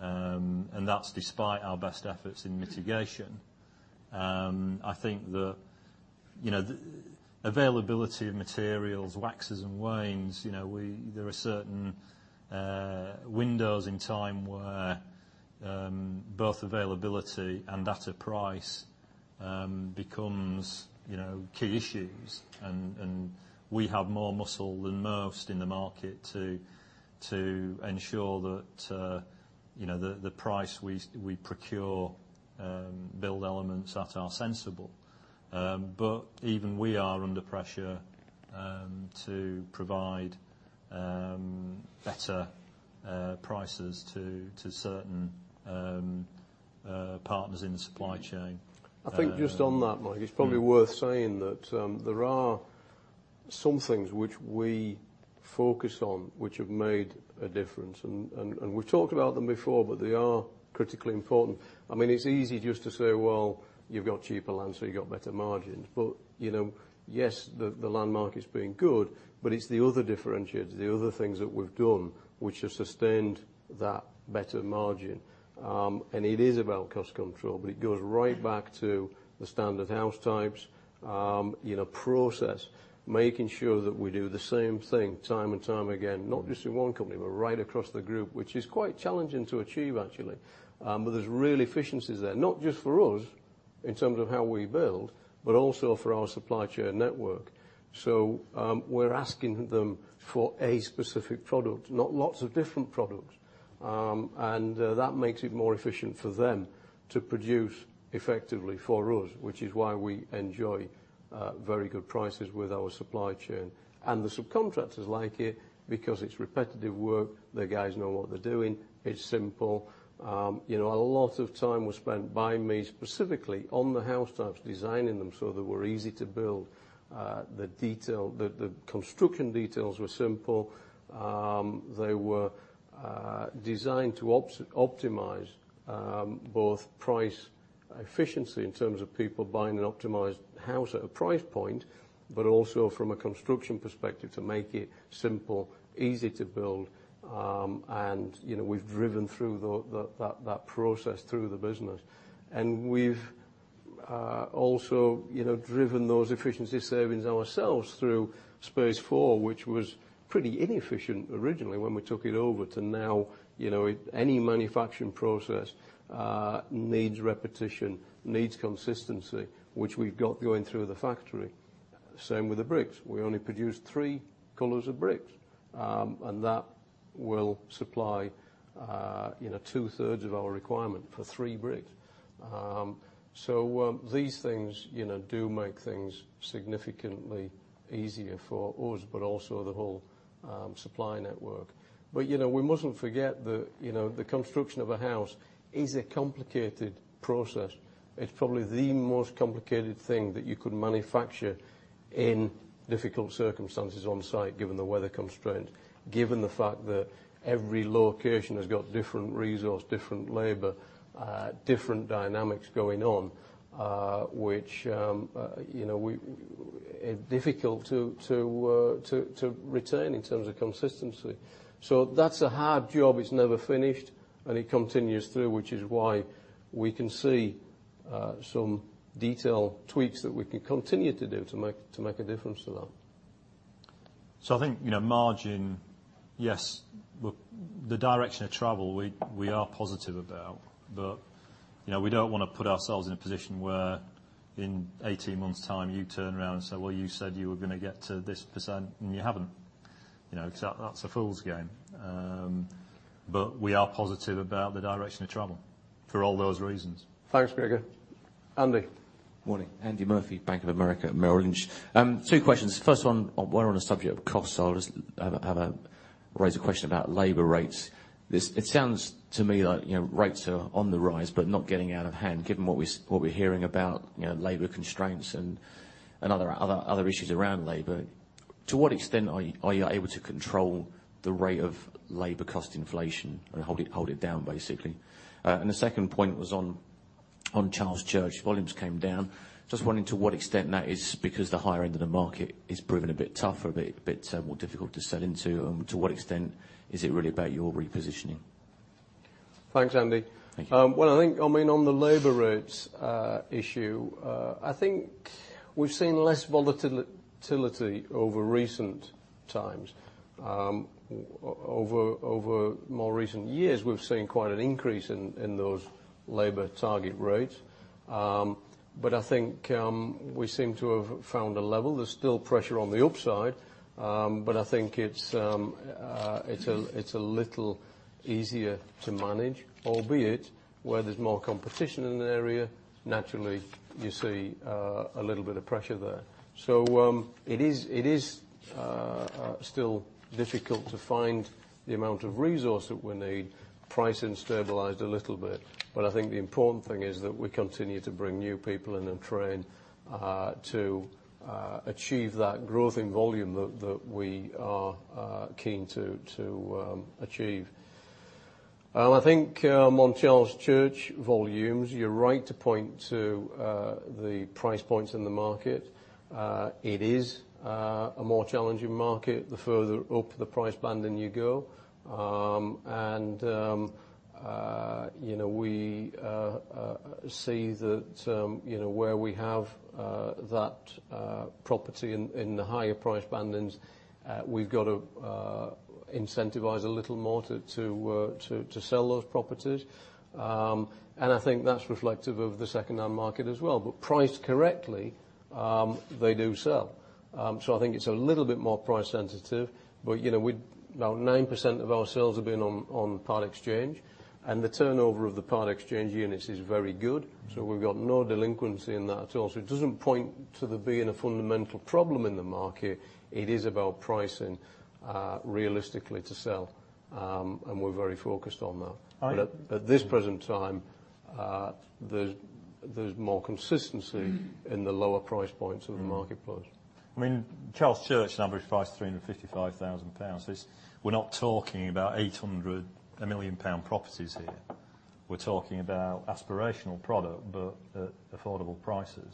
That's despite our best efforts in mitigation. I think the availability of materials waxes and wanes. There are certain windows in time where both availability and at a price becomes key issues, and we have more muscle than most in the market to ensure that the price we procure build elements that are sensible. Even we are under pressure to provide better prices to certain partners in the supply chain. I think just on that, Mike, it's probably worth saying that there are some things which we focus on which have made a difference, we've talked about them before, but they are critically important. It's easy just to say, "Well, you've got cheaper land, so you've got better margins." Yes, the land market's been good, but it's the other differentiators, the other things that we've done which have sustained that better margin. It is about cost control, but it goes right back to the standard house types, process, making sure that we do the same thing time and time again, not just in one company but right across the group, which is quite challenging to achieve actually. There's real efficiencies there, not just for us in terms of how we build, but also for our supply chain network. We're asking them for a specific product, not lots of different products. That makes it more efficient for them to produce effectively for us, which is why we enjoy very good prices with our supply chain. The subcontractors like it because it's repetitive work. The guys know what they're doing. It's simple. A lot of time was spent by me, specifically, on the house types, designing them so they were easy to build. The construction details were simple. They were designed to optimize both price efficiency, in terms of people buying an optimized house at a price point, but also from a construction perspective to make it simple, easy to build. We've driven through that process through the business. We've also driven those efficiency savings ourselves through Space4, which was pretty inefficient originally when we took it over, to now any manufacturing process needs repetition, needs consistency, which we've got going through the factory. Same with the bricks. We only produce three colors of bricks, that will supply two-thirds of our requirement for three bricks. These things do make things significantly easier for us, but also the whole supply network. We mustn't forget that the construction of a house is a complicated process. It's probably the most complicated thing that you could manufacture in difficult circumstances on site, given the weather constraint, given the fact that every location has got different resource, different labor, different dynamics going on, which is difficult to retain in terms of consistency. That's a hard job. It's never finished, it continues through, which is why we can see some detail tweaks that we can continue to do to make a difference to that. I think margin, yes. The direction of travel, we are positive about, but we don't want to put ourselves in a position where in 18 months' time you turn around and say, "Well, you said you were going to get to this%, and you haven't." Because that's a fool's game. We are positive about the direction of travel for all those reasons. Thanks, Gregor. Andy? Morning. Andy Murphy, Bank of America, Merrill Lynch. Two questions. First one, we're on the subject of cost. I'll just raise a question about labor rates. It sounds to me like rates are on the rise but not getting out of hand, given what we're hearing about labor constraints and other issues around labor. To what extent are you able to control the rate of labor cost inflation and hold it down, basically? The second point was on Charles Church. Volumes came down. Just wondering to what extent that is because the higher end of the market is proving a bit tougher, a bit more difficult to sell into, and to what extent is it really about your repositioning? Thanks, Andy. Thank you. Well, I think on the labor rates issue, I think we've seen less volatility over recent times. Over more recent years, we've seen quite an increase in those labor target rates. I think we seem to have found a level. There's still pressure on the upside, but I think it's a little easier to manage. Albeit, where there's more competition in an area, naturally you see a little bit of pressure there. It is still difficult to find the amount of resource that we need. Pricing stabilized a little bit. I think the important thing is that we continue to bring new people in and train to achieve that growth in volume that we are keen to achieve. I think on Charles Church volumes, you're right to point to the price points in the market. It is a more challenging market the further up the price banding you go. We see that where we have that property in the higher price bandings, we've got to incentivize a little more to sell those properties. I think that's reflective of the second-hand market as well. Priced correctly, they do sell. I think it's a little bit more price sensitive. 9% of our sales have been on part exchange, and the turnover of the part exchange units is very good. We've got no delinquency in that at all. It doesn't point to there being a fundamental problem in the market. It is about pricing realistically to sell, and we're very focused on that. At this present time, there's more consistency in the lower price points of the marketplace. Charles Church's average price is 355,000 pounds. We're not talking about 800,000, 1 million pound properties here. We're talking about aspirational product, but at affordable prices.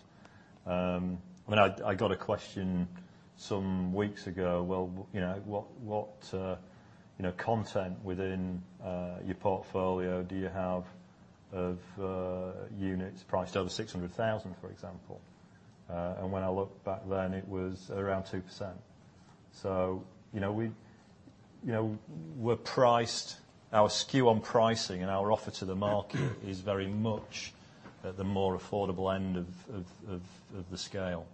I got a question some weeks ago, "Well, what content within your portfolio do you have of units priced over 600,000," for example. When I looked back then, it was around 2%. We're priced, our skew on pricing and our offer to the market is very much at the more affordable end of the scale.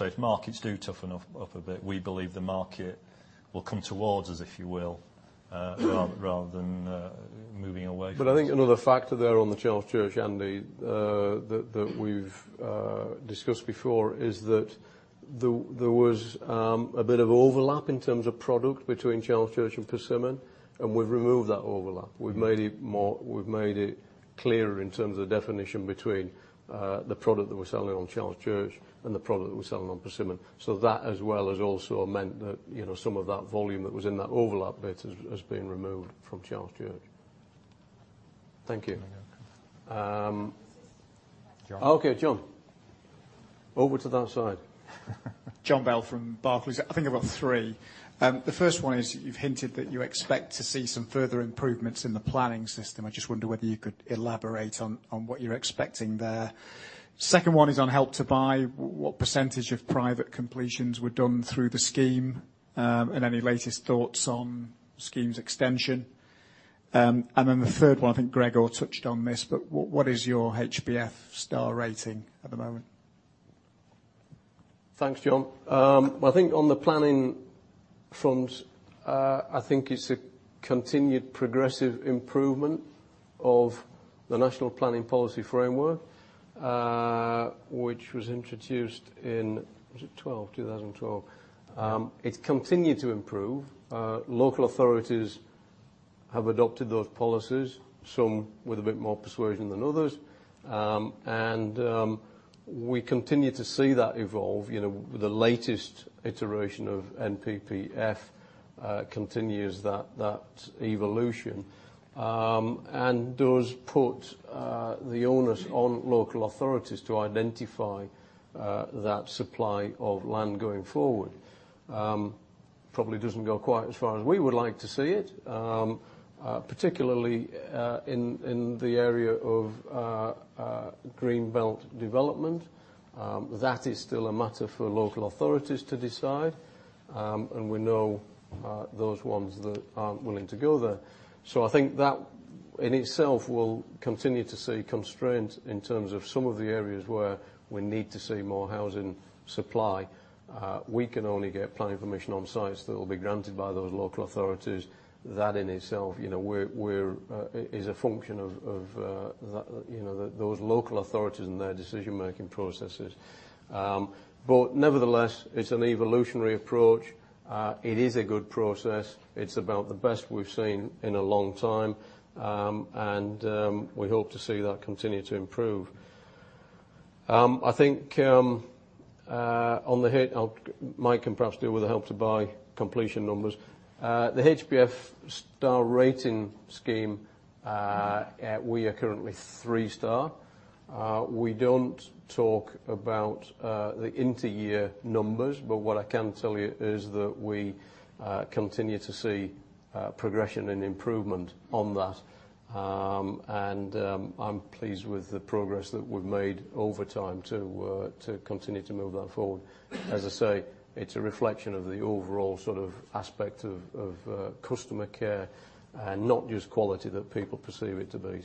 If markets do toughen up a bit, we believe the market will come towards us, if you will, rather than moving away from us. I think another factor there on the Charles Church, Andy, that we've discussed before, is that there was a bit of overlap in terms of product between Charles Church and Persimmon, and we've removed that overlap. We've made it clearer in terms of definition between the product that we're selling on Charles Church and the product that we're selling on Persimmon. That as well has also meant that some of that volume that was in that overlap bit has been removed from Charles Church. Thank you. There you go. Okay, Jonny. Over to that side. Jonny Bell from Barclays. I think I've got three. The first one is, you've hinted that you expect to see some further improvements in the planning system. I just wonder whether you could elaborate on what you're expecting there. The second one is on Help to Buy. What % of private completions were done through the scheme, and any latest thoughts on scheme's extension? Then the third one, I think Gregor touched on this, but what is your HBF star rating at the moment? Thanks, Jon. I think on the planning front, I think it's a continued progressive improvement of the National Planning Policy Framework, which was introduced in 2012. It's continued to improve. Local authorities have adopted those policies, some with a bit more persuasion than others. We continue to see that evolve. The latest iteration of NPPF continues that evolution, and does put the onus on local authorities to identify that supply of land going forward. Probably doesn't go quite as far as we would like to see it, particularly, in the area of green belt development. That is still a matter for local authorities to decide, and we know those ones that aren't willing to go there. I think that in itself will continue to see constraint in terms of some of the areas where we need to see more housing supply. We can only get planning permission on sites that will be granted by those local authorities. That in itself is a function of those local authorities and their decision-making processes. Nevertheless, it's an evolutionary approach. It is a good process. It's about the best we've seen in a long time. We hope to see that continue to improve. I think, Mike can perhaps deal with the Help to Buy completion numbers. The HBF Star Rating Scheme, we are currently three star. We don't talk about the inter-year numbers, but what I can tell you is that we continue to see progression and improvement on that. I'm pleased with the progress that we've made over time to continue to move that forward. As I say, it's a reflection of the overall sort of aspect of customer care and not just quality that people perceive it to be.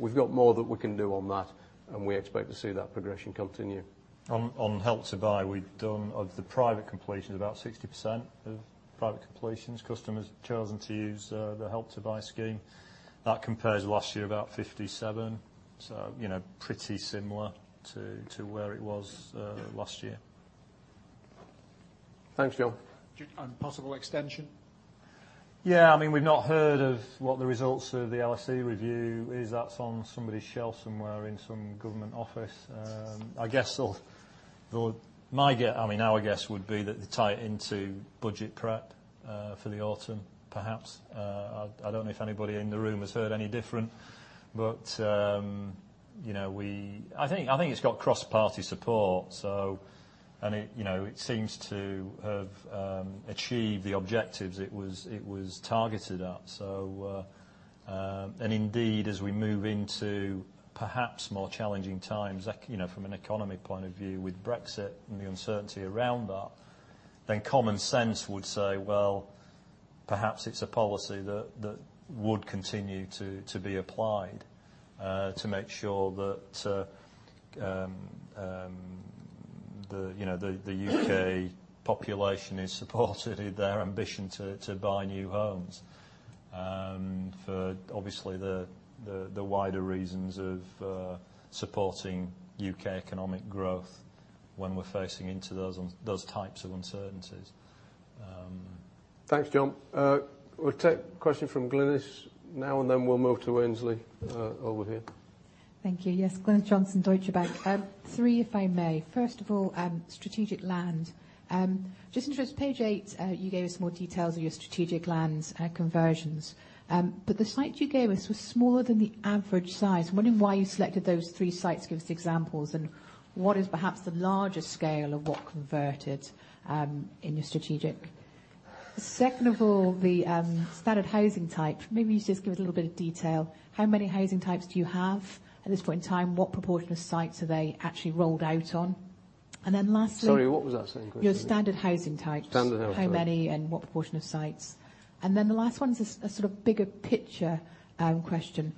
We've got more that we can do on that, and we expect to see that progression continue. On Help to Buy, we've done, of the private completions, about 60% of private completions, customers have chosen to use the Help to Buy scheme. That compares to last year, about 57%. Pretty similar to where it was last year. Thanks, Jon. Possible extension? Yeah, we've not heard of what the results of the LSE review is. That's on somebody's shelf somewhere in some government office. Our guess would be that they tie it into budget prep, for the autumn, perhaps. I don't know if anybody in the room has heard any different. I think it's got cross-party support. It seems to have achieved the objectives it was targeted at. Indeed, as we move into perhaps more challenging times, from an economy point of view with Brexit and the uncertainty around that, common sense would say, well, perhaps it's a policy that would continue to be applied, to make sure that the U.K. population is supported in their ambition to buy new homes, for obviously the wider reasons of supporting U.K. economic growth when we're facing into those types of uncertainties. Thanks, John. We'll take a question from Glynis now, we'll move to Aynsley over here. Thank you. Yes. Glynis Johnson, Deutsche Bank. Three, if I may. First of all, strategic land. Just interested, page eight, you gave us more details of your strategic lands and conversions. The site you gave us was smaller than the average size. I am wondering why you selected those three sites, give us the examples, and what is perhaps the larger scale of what converted in your strategic. Second of all, the standard housing type. Maybe you just give us a little bit of detail. How many housing types do you have at this point in time? What proportion of sites are they actually rolled out on? Then lastly- Sorry, what was that second question? Your standard housing types. Standard housing types. How many and what proportion of sites. The last one is a sort of bigger picture question.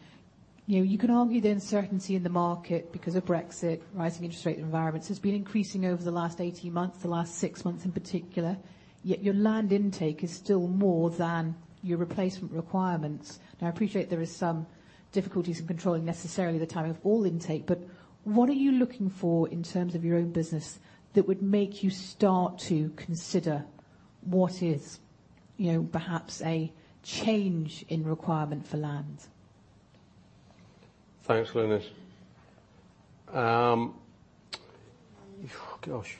You can argue the uncertainty in the market because of Brexit, rising interest rate environments, has been increasing over the last 18 months, the last 6 months in particular, yet your land intake is still more than your replacement requirements. I appreciate there is some difficulties in controlling necessarily the timing of all intake, but what are you looking for in terms of your own business that would make you start to consider what is perhaps a change in requirement for land? Thanks, Glynis. Gosh.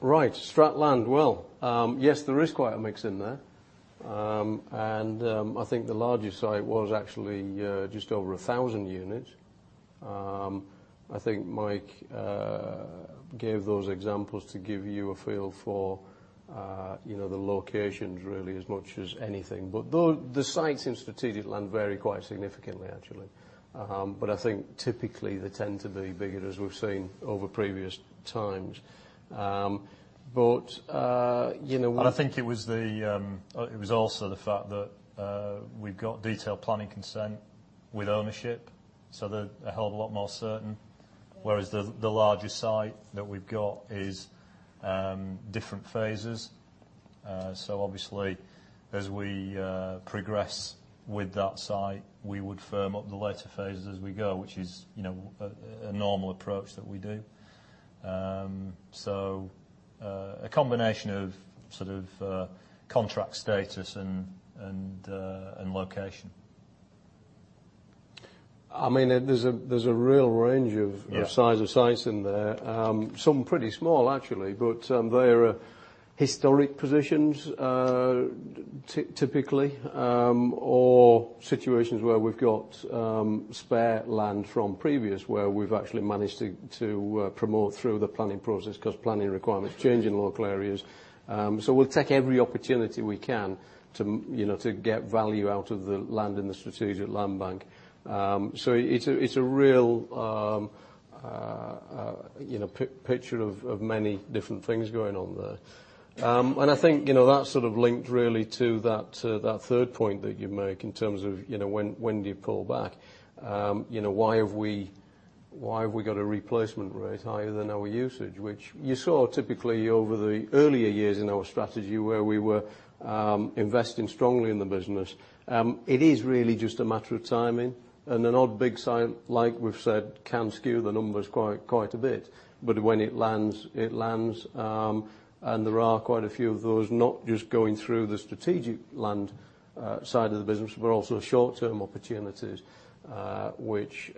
Right. Strat land. Yes, there is quite a mix in there. I think the largest site was actually just over 1,000 units. I think Mike gave those examples to give you a feel for the locations really as much as anything. The sites in strategic land vary quite significantly, actually. I think typically they tend to be bigger, as we've seen over previous times. I think it was also the fact that we've got detailed planning consent with ownership, so they're a hell of a lot more certain. Whereas the largest site that we've got is different phases. Obviously, as we progress with that site, we would firm up the later phases as we go, which is a normal approach that we do. A combination of sort of contract status and location. I mean, there's a real range. Yeah size of sites in there. Some pretty small actually, but they are historic positions, typically, or situations where we've got spare land from previous, where we've actually managed to promote through the planning process because planning requirements change in local areas. We'll take every opportunity we can to get value out of the land and the strategic land bank. It's a real picture of many different things going on there. I think, that sort of linked really to that third point that you make in terms of, when do you pull back? Why have we got a replacement rate higher than our usage? Which you saw typically over the earlier years in our strategy where we were investing strongly in the business. It is really just a matter of timing, and an odd big site, like we've said, can skew the numbers quite a bit. When it lands, it lands, and there are quite a few of those, not just going through the strategic land side of the business, but also short-term opportunities which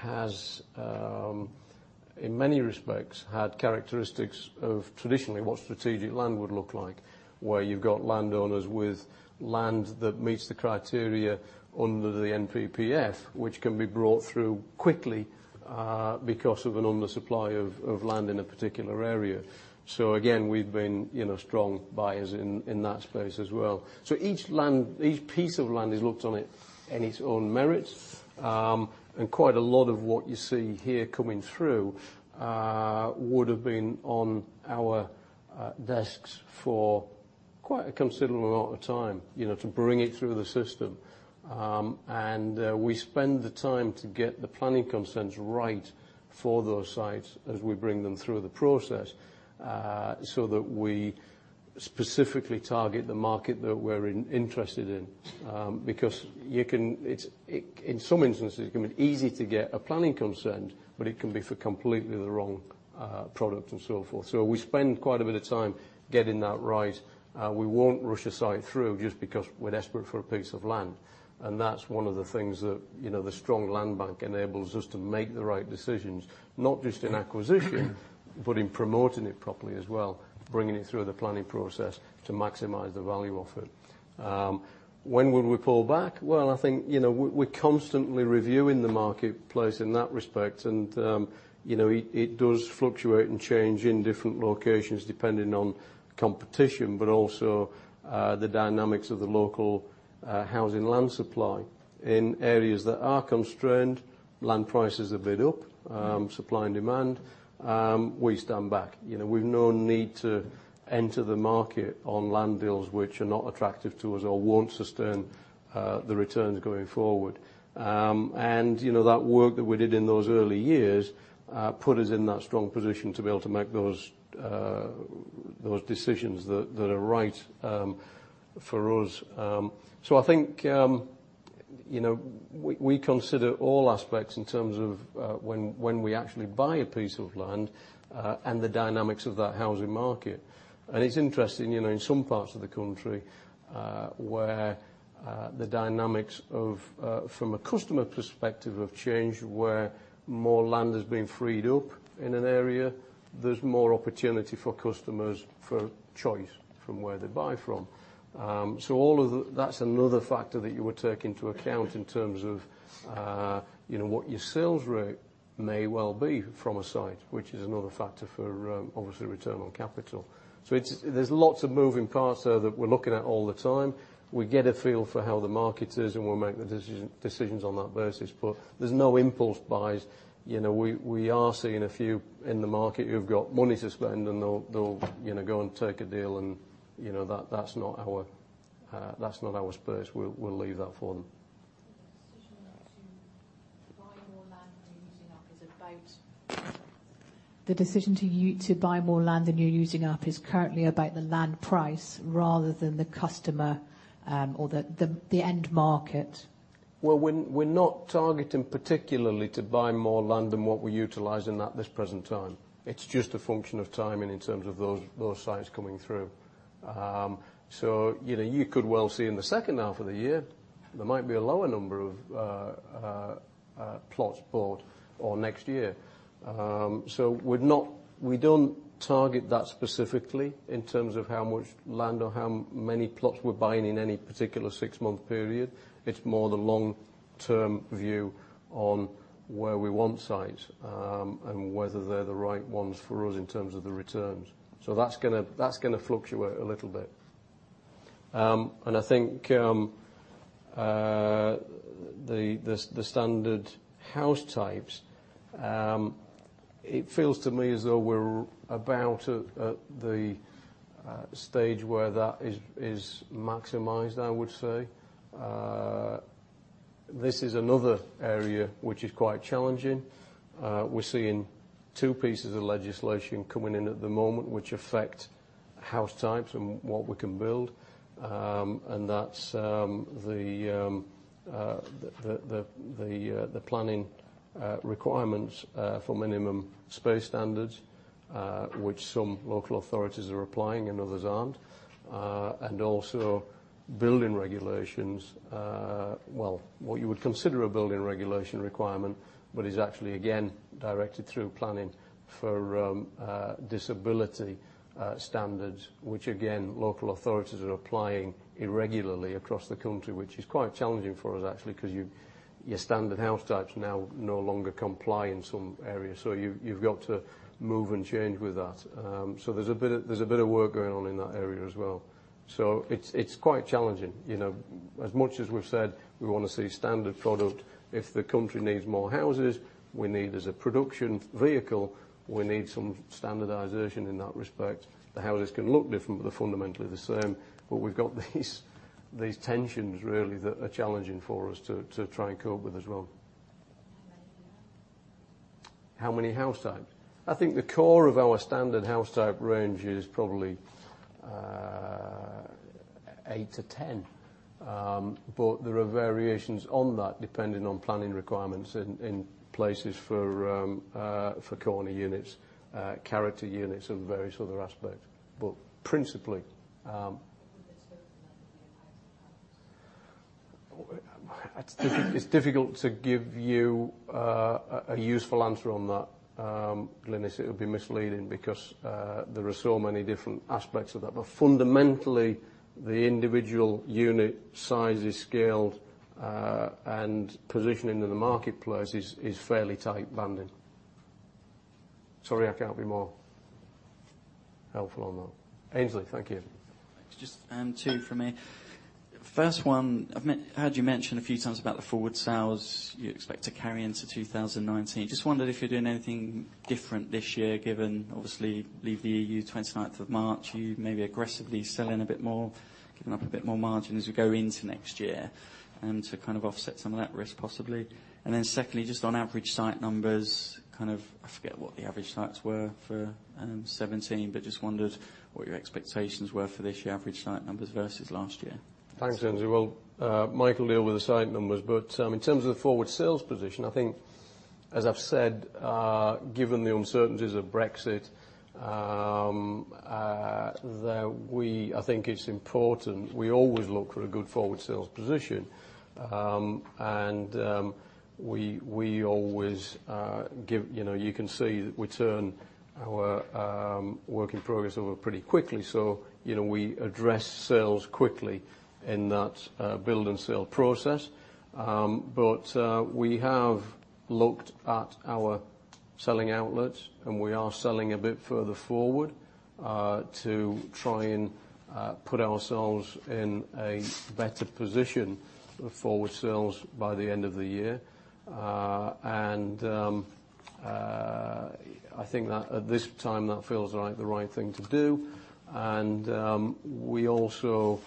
has, in many respects, had characteristics of traditionally what strategic land would look like. Where you've got landowners with land that meets the criteria under the NPPF, which can be brought through quickly because of an under supply of land in a particular area. Again, we've been strong buyers in that space as well. Each piece of land is looked on in its own merits. Quite a lot of what you see here coming through would've been on our desks for quite a considerable amount of time to bring it through the system. We spend the time to get the planning consents right for those sites as we bring them through the process so that we specifically target the market that we're interested in. Because in some instances, it can be easy to get a planning consent, but it can be for completely the wrong product and so forth. We spend quite a bit of time getting that right. We won't rush a site through just because we're desperate for a piece of land. That's one of the things that the strong land bank enables us to make the right decisions, not just in acquisition, but in promoting it properly as well, bringing it through the planning process to maximize the value of it. When would we pull back? I think we're constantly reviewing the marketplace in that respect, and it does fluctuate and change in different locations depending on competition, but also the dynamics of the local housing land supply. In areas that are constrained, land prices have been up, supply and demand, we stand back. We've no need to enter the market on land deals which are not attractive to us or won't sustain the returns going forward. That work that we did in those early years put us in that strong position to be able to make those decisions that are right for us. I think we consider all aspects in terms of when we actually buy a piece of land and the dynamics of that housing market. It's interesting, in some parts of the country where the dynamics from a customer perspective have changed, where more land has been freed up in an area, there's more opportunity for customers for choice from where they buy from. That's another factor that you would take into account in terms of what your sales rate may well be from a site, which is another factor for, obviously, return on capital. There's lots of moving parts there that we're looking at all the time. We get a feel for how the market is, and we'll make the decisions on that basis. There's no impulse buys. We are seeing a few in the market who've got money to spend, and they'll go and take a deal and that's not our space. We'll leave that for them. The decision to buy more land than you're using up is currently about the land price rather than the customer, or the end market? Well, we're not targeting particularly to buy more land than what we utilize at this present time. It's just a function of timing in terms of those sites coming through. You could well see in the second half of the year, there might be a lower number of plots bought or next year. We don't target that specifically in terms of how much land or how many plots we're buying in any particular six-month period. It's more the long-term view on where we want sites, and whether they're the right ones for us in terms of the returns. That's going to fluctuate a little bit. I think the standard house types, it feels to me as though we're about at the stage where that is maximized, I would say. This is another area which is quite challenging. We're seeing two pieces of legislation coming in at the moment which affect house types and what we can build. That's the planning requirements for minimum space standards, which some local authorities are applying and others aren't. Also building regulations, well, what you would consider a building regulation requirement, but is actually again directed through planning for disability standards, which again, local authorities are applying irregularly across the country, which is quite challenging for us actually, because your standard house types now no longer comply in some areas. You've got to move and change with that. There's a bit of work going on in that area as well. It's quite challenging. As much as we've said we want to see standard product, if the country needs more houses, we need as a production vehicle, we need some standardization in that respect. The houses can look different, but they're fundamentally the same. We've got these tensions really that are challenging for us to try and cope with as well. How many are there? How many house types? I think the core of our standard house type range is probably eight to 10. There are variations on that depending on planning requirements in places for corner units, character units, and various other aspects, principally- Would they still It's difficult to give you a useful answer on that, Glynis. It would be misleading because there are so many different aspects of that. Fundamentally, the individual unit sizes, scale, and positioning in the marketplace is fairly tight banded. Sorry, I can't be more helpful on that. Aynsley, thank you. Just two from me. First one, I've heard you mention a few times about the forward sales you expect to carry into 2019. Just wondered if you're doing anything different this year given obviously leave the EU 29th of March, you may be aggressively selling a bit more, giving up a bit more margin as we go into next year to kind of offset some of that risk possibly. Secondly, just on average site numbers, kind of, I forget what the average sites were for 2017, but just wondered what your expectations were for this year, average site numbers versus last year. Thanks, Aynsley. Well, Mike will deal with the site numbers, but in terms of the forward sales position, I think as I've said, given the uncertainties of Brexit, that I think it's important we always look for a good forward sales position. You can see that we turn our work in progress over pretty quickly. We address sales quickly in that build and sell process. We have looked at our selling outlets, and we are selling a bit further forward, to try and put ourselves in a better position for forward sales by the end of the year. I think that at this time, that feels like the right thing to do. We also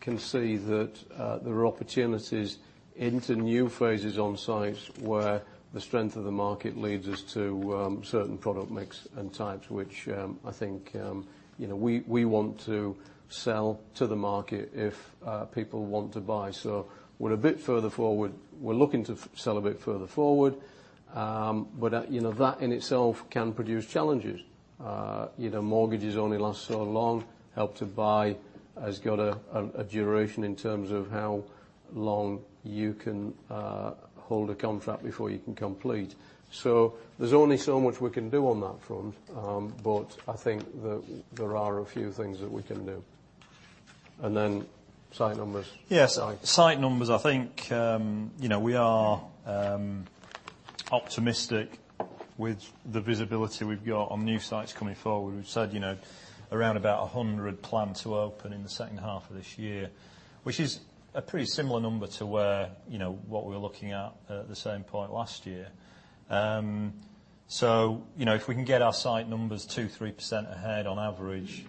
can see that there are opportunities into new phases on sites where the strength of the market leads us to certain product mix and types, which I think we want to sell to the market if people want to buy. We're a bit further forward. We're looking to sell a bit further forward. That in itself can produce challenges. Mortgages only last so long. Help to Buy has got a duration in terms of how long you can hold a contract before you can complete. There's only so much we can do on that front. I think that there are a few things that we can do. Site numbers. Yes, site numbers, I think, we are optimistic with the visibility we've got on new sites coming forward. We've said around about 100 planned to open in the second half of this year, which is a pretty similar number to what we were looking at at the same point last year. If we can get our site numbers 2%-3% ahead on average,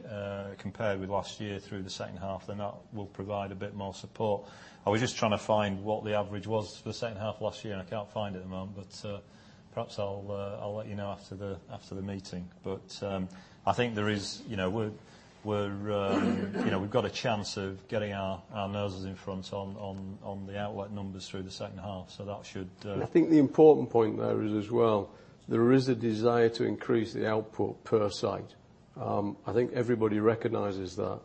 compared with last year through the second half, then that will provide a bit more support. I was just trying to find what the average was for the second half of last year, and I can't find it at the moment, but perhaps I'll let you know after the meeting. I think we've got a chance of getting our noses in front on the outlet numbers through the second half. I think the important point there is as well, there is a desire to increase the output per site. I think everybody recognizes that.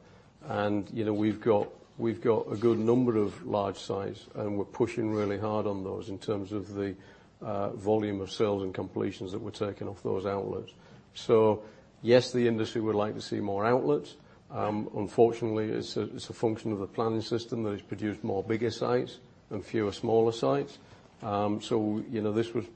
We've got a good number of large sites, and we're pushing really hard on those in terms of the volume of sales and completions that we're taking off those outlets. Yes, the industry would like to see more outlets. Unfortunately, it's a function of the planning system that has produced more bigger sites and fewer smaller sites. This was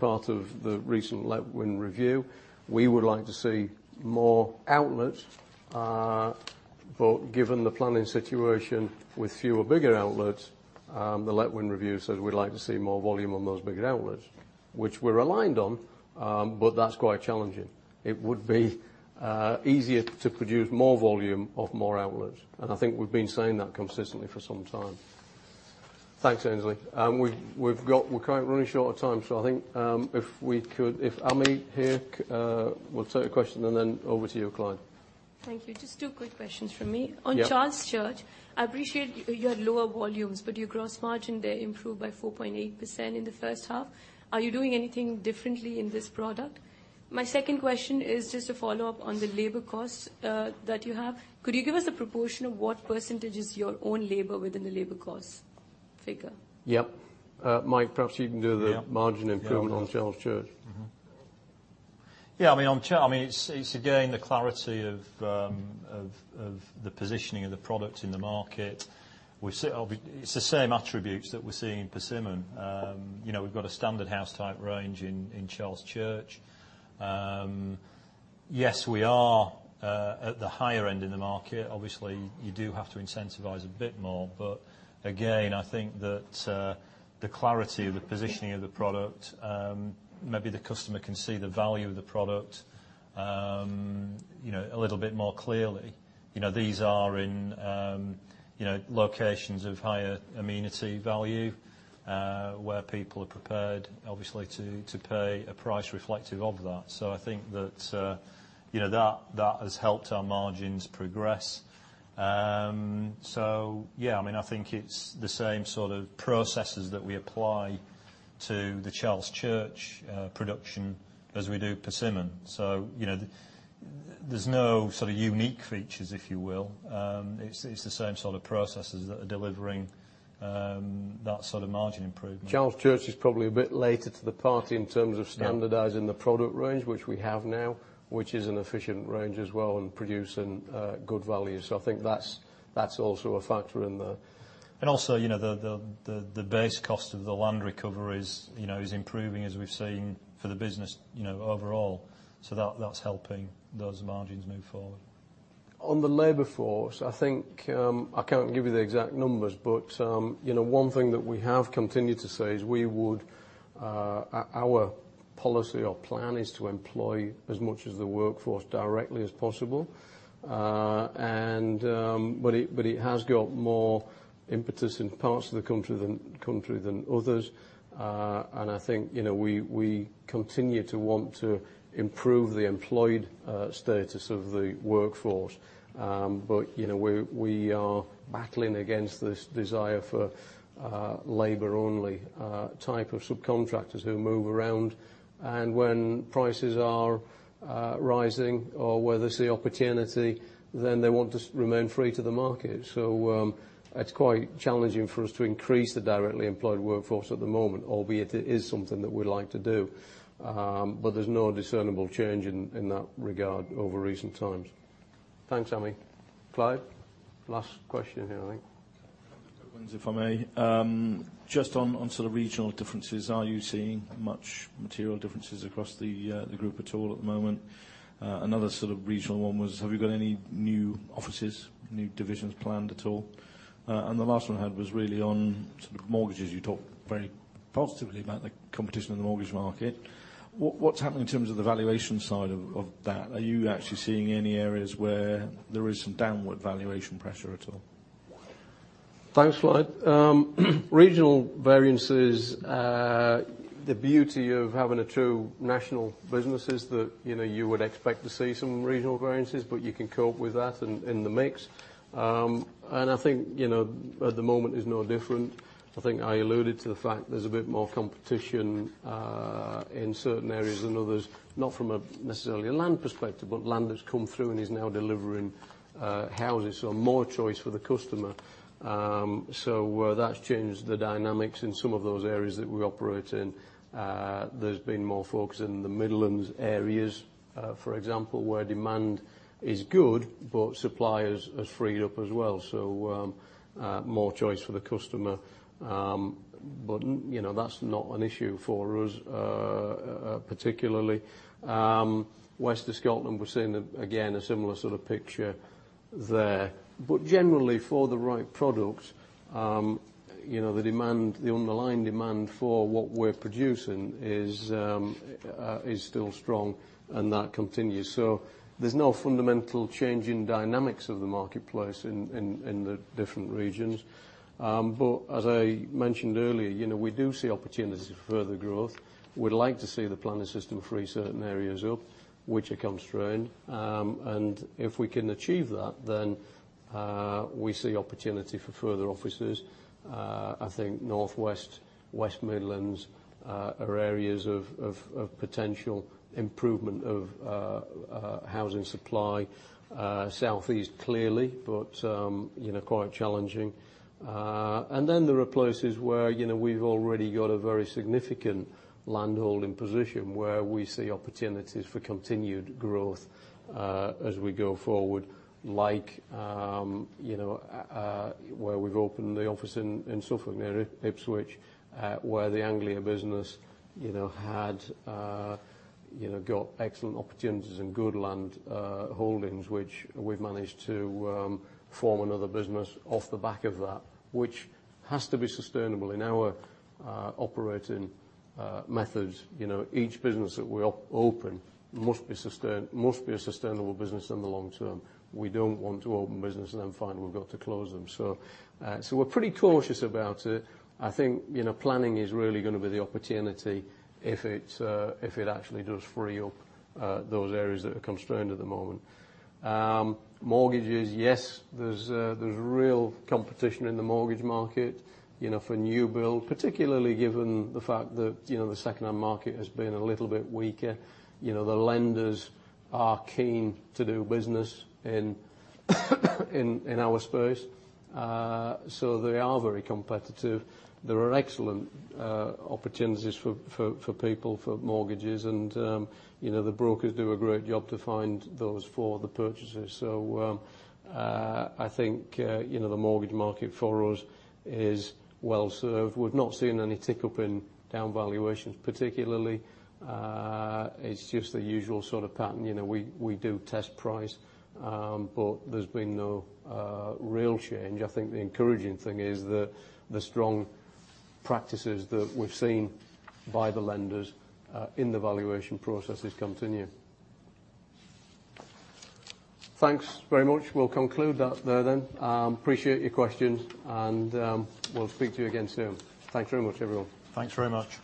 part of the recent Letwin Review. We would like to see more outlets. Given the planning situation with fewer, bigger outlets, the Letwin Review says we'd like to see more volume on those bigger outlets, which we're aligned on, but that's quite challenging. It would be easier to produce more volume of more outlets, and I think we've been saying that consistently for some time. Thanks, Aynsley. We're currently running short on time, so I think if Ami here will take a question and then over to you, Clyde. Thank you. Just two quick questions from me. Yeah. On Charles Church, I appreciate you had lower volumes, your gross margin there improved by 4.8% in the first half. Are you doing anything differently in this product? My second question is just a follow-up on the labor costs that you have. Could you give us a proportion of what % is your own labor within the labor cost figure? Yep. Mike, perhaps you can do Yep the margin improvement on Charles Church. Mm-hmm. Yeah, on Charles, it's, again, the clarity of the positioning of the product in the market. It's the same attributes that we're seeing in Persimmon. We've got a standard house type range in Charles Church. Yes, we are at the higher end in the market. Obviously, you do have to incentivize a bit more. Again, I think that the clarity of the positioning of the product, maybe the customer can see the value of the product a little bit more clearly. These are in locations of higher amenity value, where people are prepared, obviously, to pay a price reflective of that. I think that has helped our margins progress. Yeah, I think it's the same sort of processes that we apply to the Charles Church production as we do Persimmon. There's no sort of unique features, if you will. It's the same sort of processes that are delivering that sort of margin improvement. Charles Church is probably a bit later to the party in terms of standardizing the product range, which we have now, which is an efficient range as well and producing good value. I think that's also a factor in there. Also, the base cost of the land recovery is improving, as we've seen for the business overall. That's helping those margins move forward. On the labor force, I think I can't give you the exact numbers, one thing that we have continued to say is our policy or plan is to employ as much as the workforce directly as possible. It has got more impetus in parts of the country than others. I think we continue to want to improve the employed status of the workforce. We are battling against this desire for labor-only type of subcontractors who move around, and when prices are rising or where there's the opportunity, then they want to remain free to the market. It's quite challenging for us to increase the directly employed workforce at the moment. Albeit it is something that we'd like to do. There's no discernible change in that regard over recent times. Thanks, Ami. Clyde, last question here, I think. Two questions, if I may. Just on sort of regional differences, are you seeing much material differences across the group at all at the moment? Another sort of regional one was, have you got any new offices, new divisions planned at all? The last one I had was really on sort of mortgages. You talked very positively about the competition in the mortgage market. What's happening in terms of the valuation side of that? Are you actually seeing any areas where there is some downward valuation pressure at all? Thanks, Clyde. Regional variances, the beauty of having a true national business is that you would expect to see some regional variances, you can cope with that in the mix. I think, at the moment it's no different. I think I alluded to the fact there's a bit more competition in certain areas than others, not from a necessarily a land perspective, but land that's come through and is now delivering houses. More choice for the customer. That's changed the dynamics in some of those areas that we operate in. There's been more focus in the Midlands areas, for example, where demand is good, supply has freed up as well. More choice for the customer. That's not an issue for us, particularly. West of Scotland, we're seeing again, a similar sort of picture there. Generally, for the right product, the underlying demand for what we're producing is still strong, and that continues. There's no fundamental change in dynamics of the marketplace in the different regions. As I mentioned earlier, we do see opportunities for further growth. We'd like to see the planning system free certain areas up, which are constrained. If we can achieve that, we see opportunity for further offices. I think Northwest, West Midlands are areas of potential improvement of housing supply. Southeast clearly, quite challenging. There are places where we've already got a very significant landholding position where we see opportunities for continued growth as we go forward. Like where we've opened the office in Suffolk near Ipswich where the Anglia business had got excellent opportunities and good land holdings, which we've managed to form another business off the back of that, which has to be sustainable. In our operating methods, each business that we open must be a sustainable business in the long term. We don't want to open business and then find we've got to close them. We're pretty cautious about it. I think planning is really going to be the opportunity if it actually does free up those areas that are constrained at the moment. Mortgages, yes. There's real competition in the mortgage market for new build, particularly given the fact that the second-hand market has been a little bit weaker. The lenders are keen to do business in our space. They are very competitive. There are excellent opportunities for people for mortgages, and the brokers do a great job to find those for the purchasers. I think, the mortgage market for us is well served. We've not seen any tick-up in down valuations particularly. It's just the usual sort of pattern. We do test price. There's been no real change. I think the encouraging thing is the strong practices that we've seen by the lenders in the valuation processes continue. Thanks very much. We'll conclude that there then. Appreciate your questions, and we'll speak to you again soon. Thanks very much, everyone. Thanks very much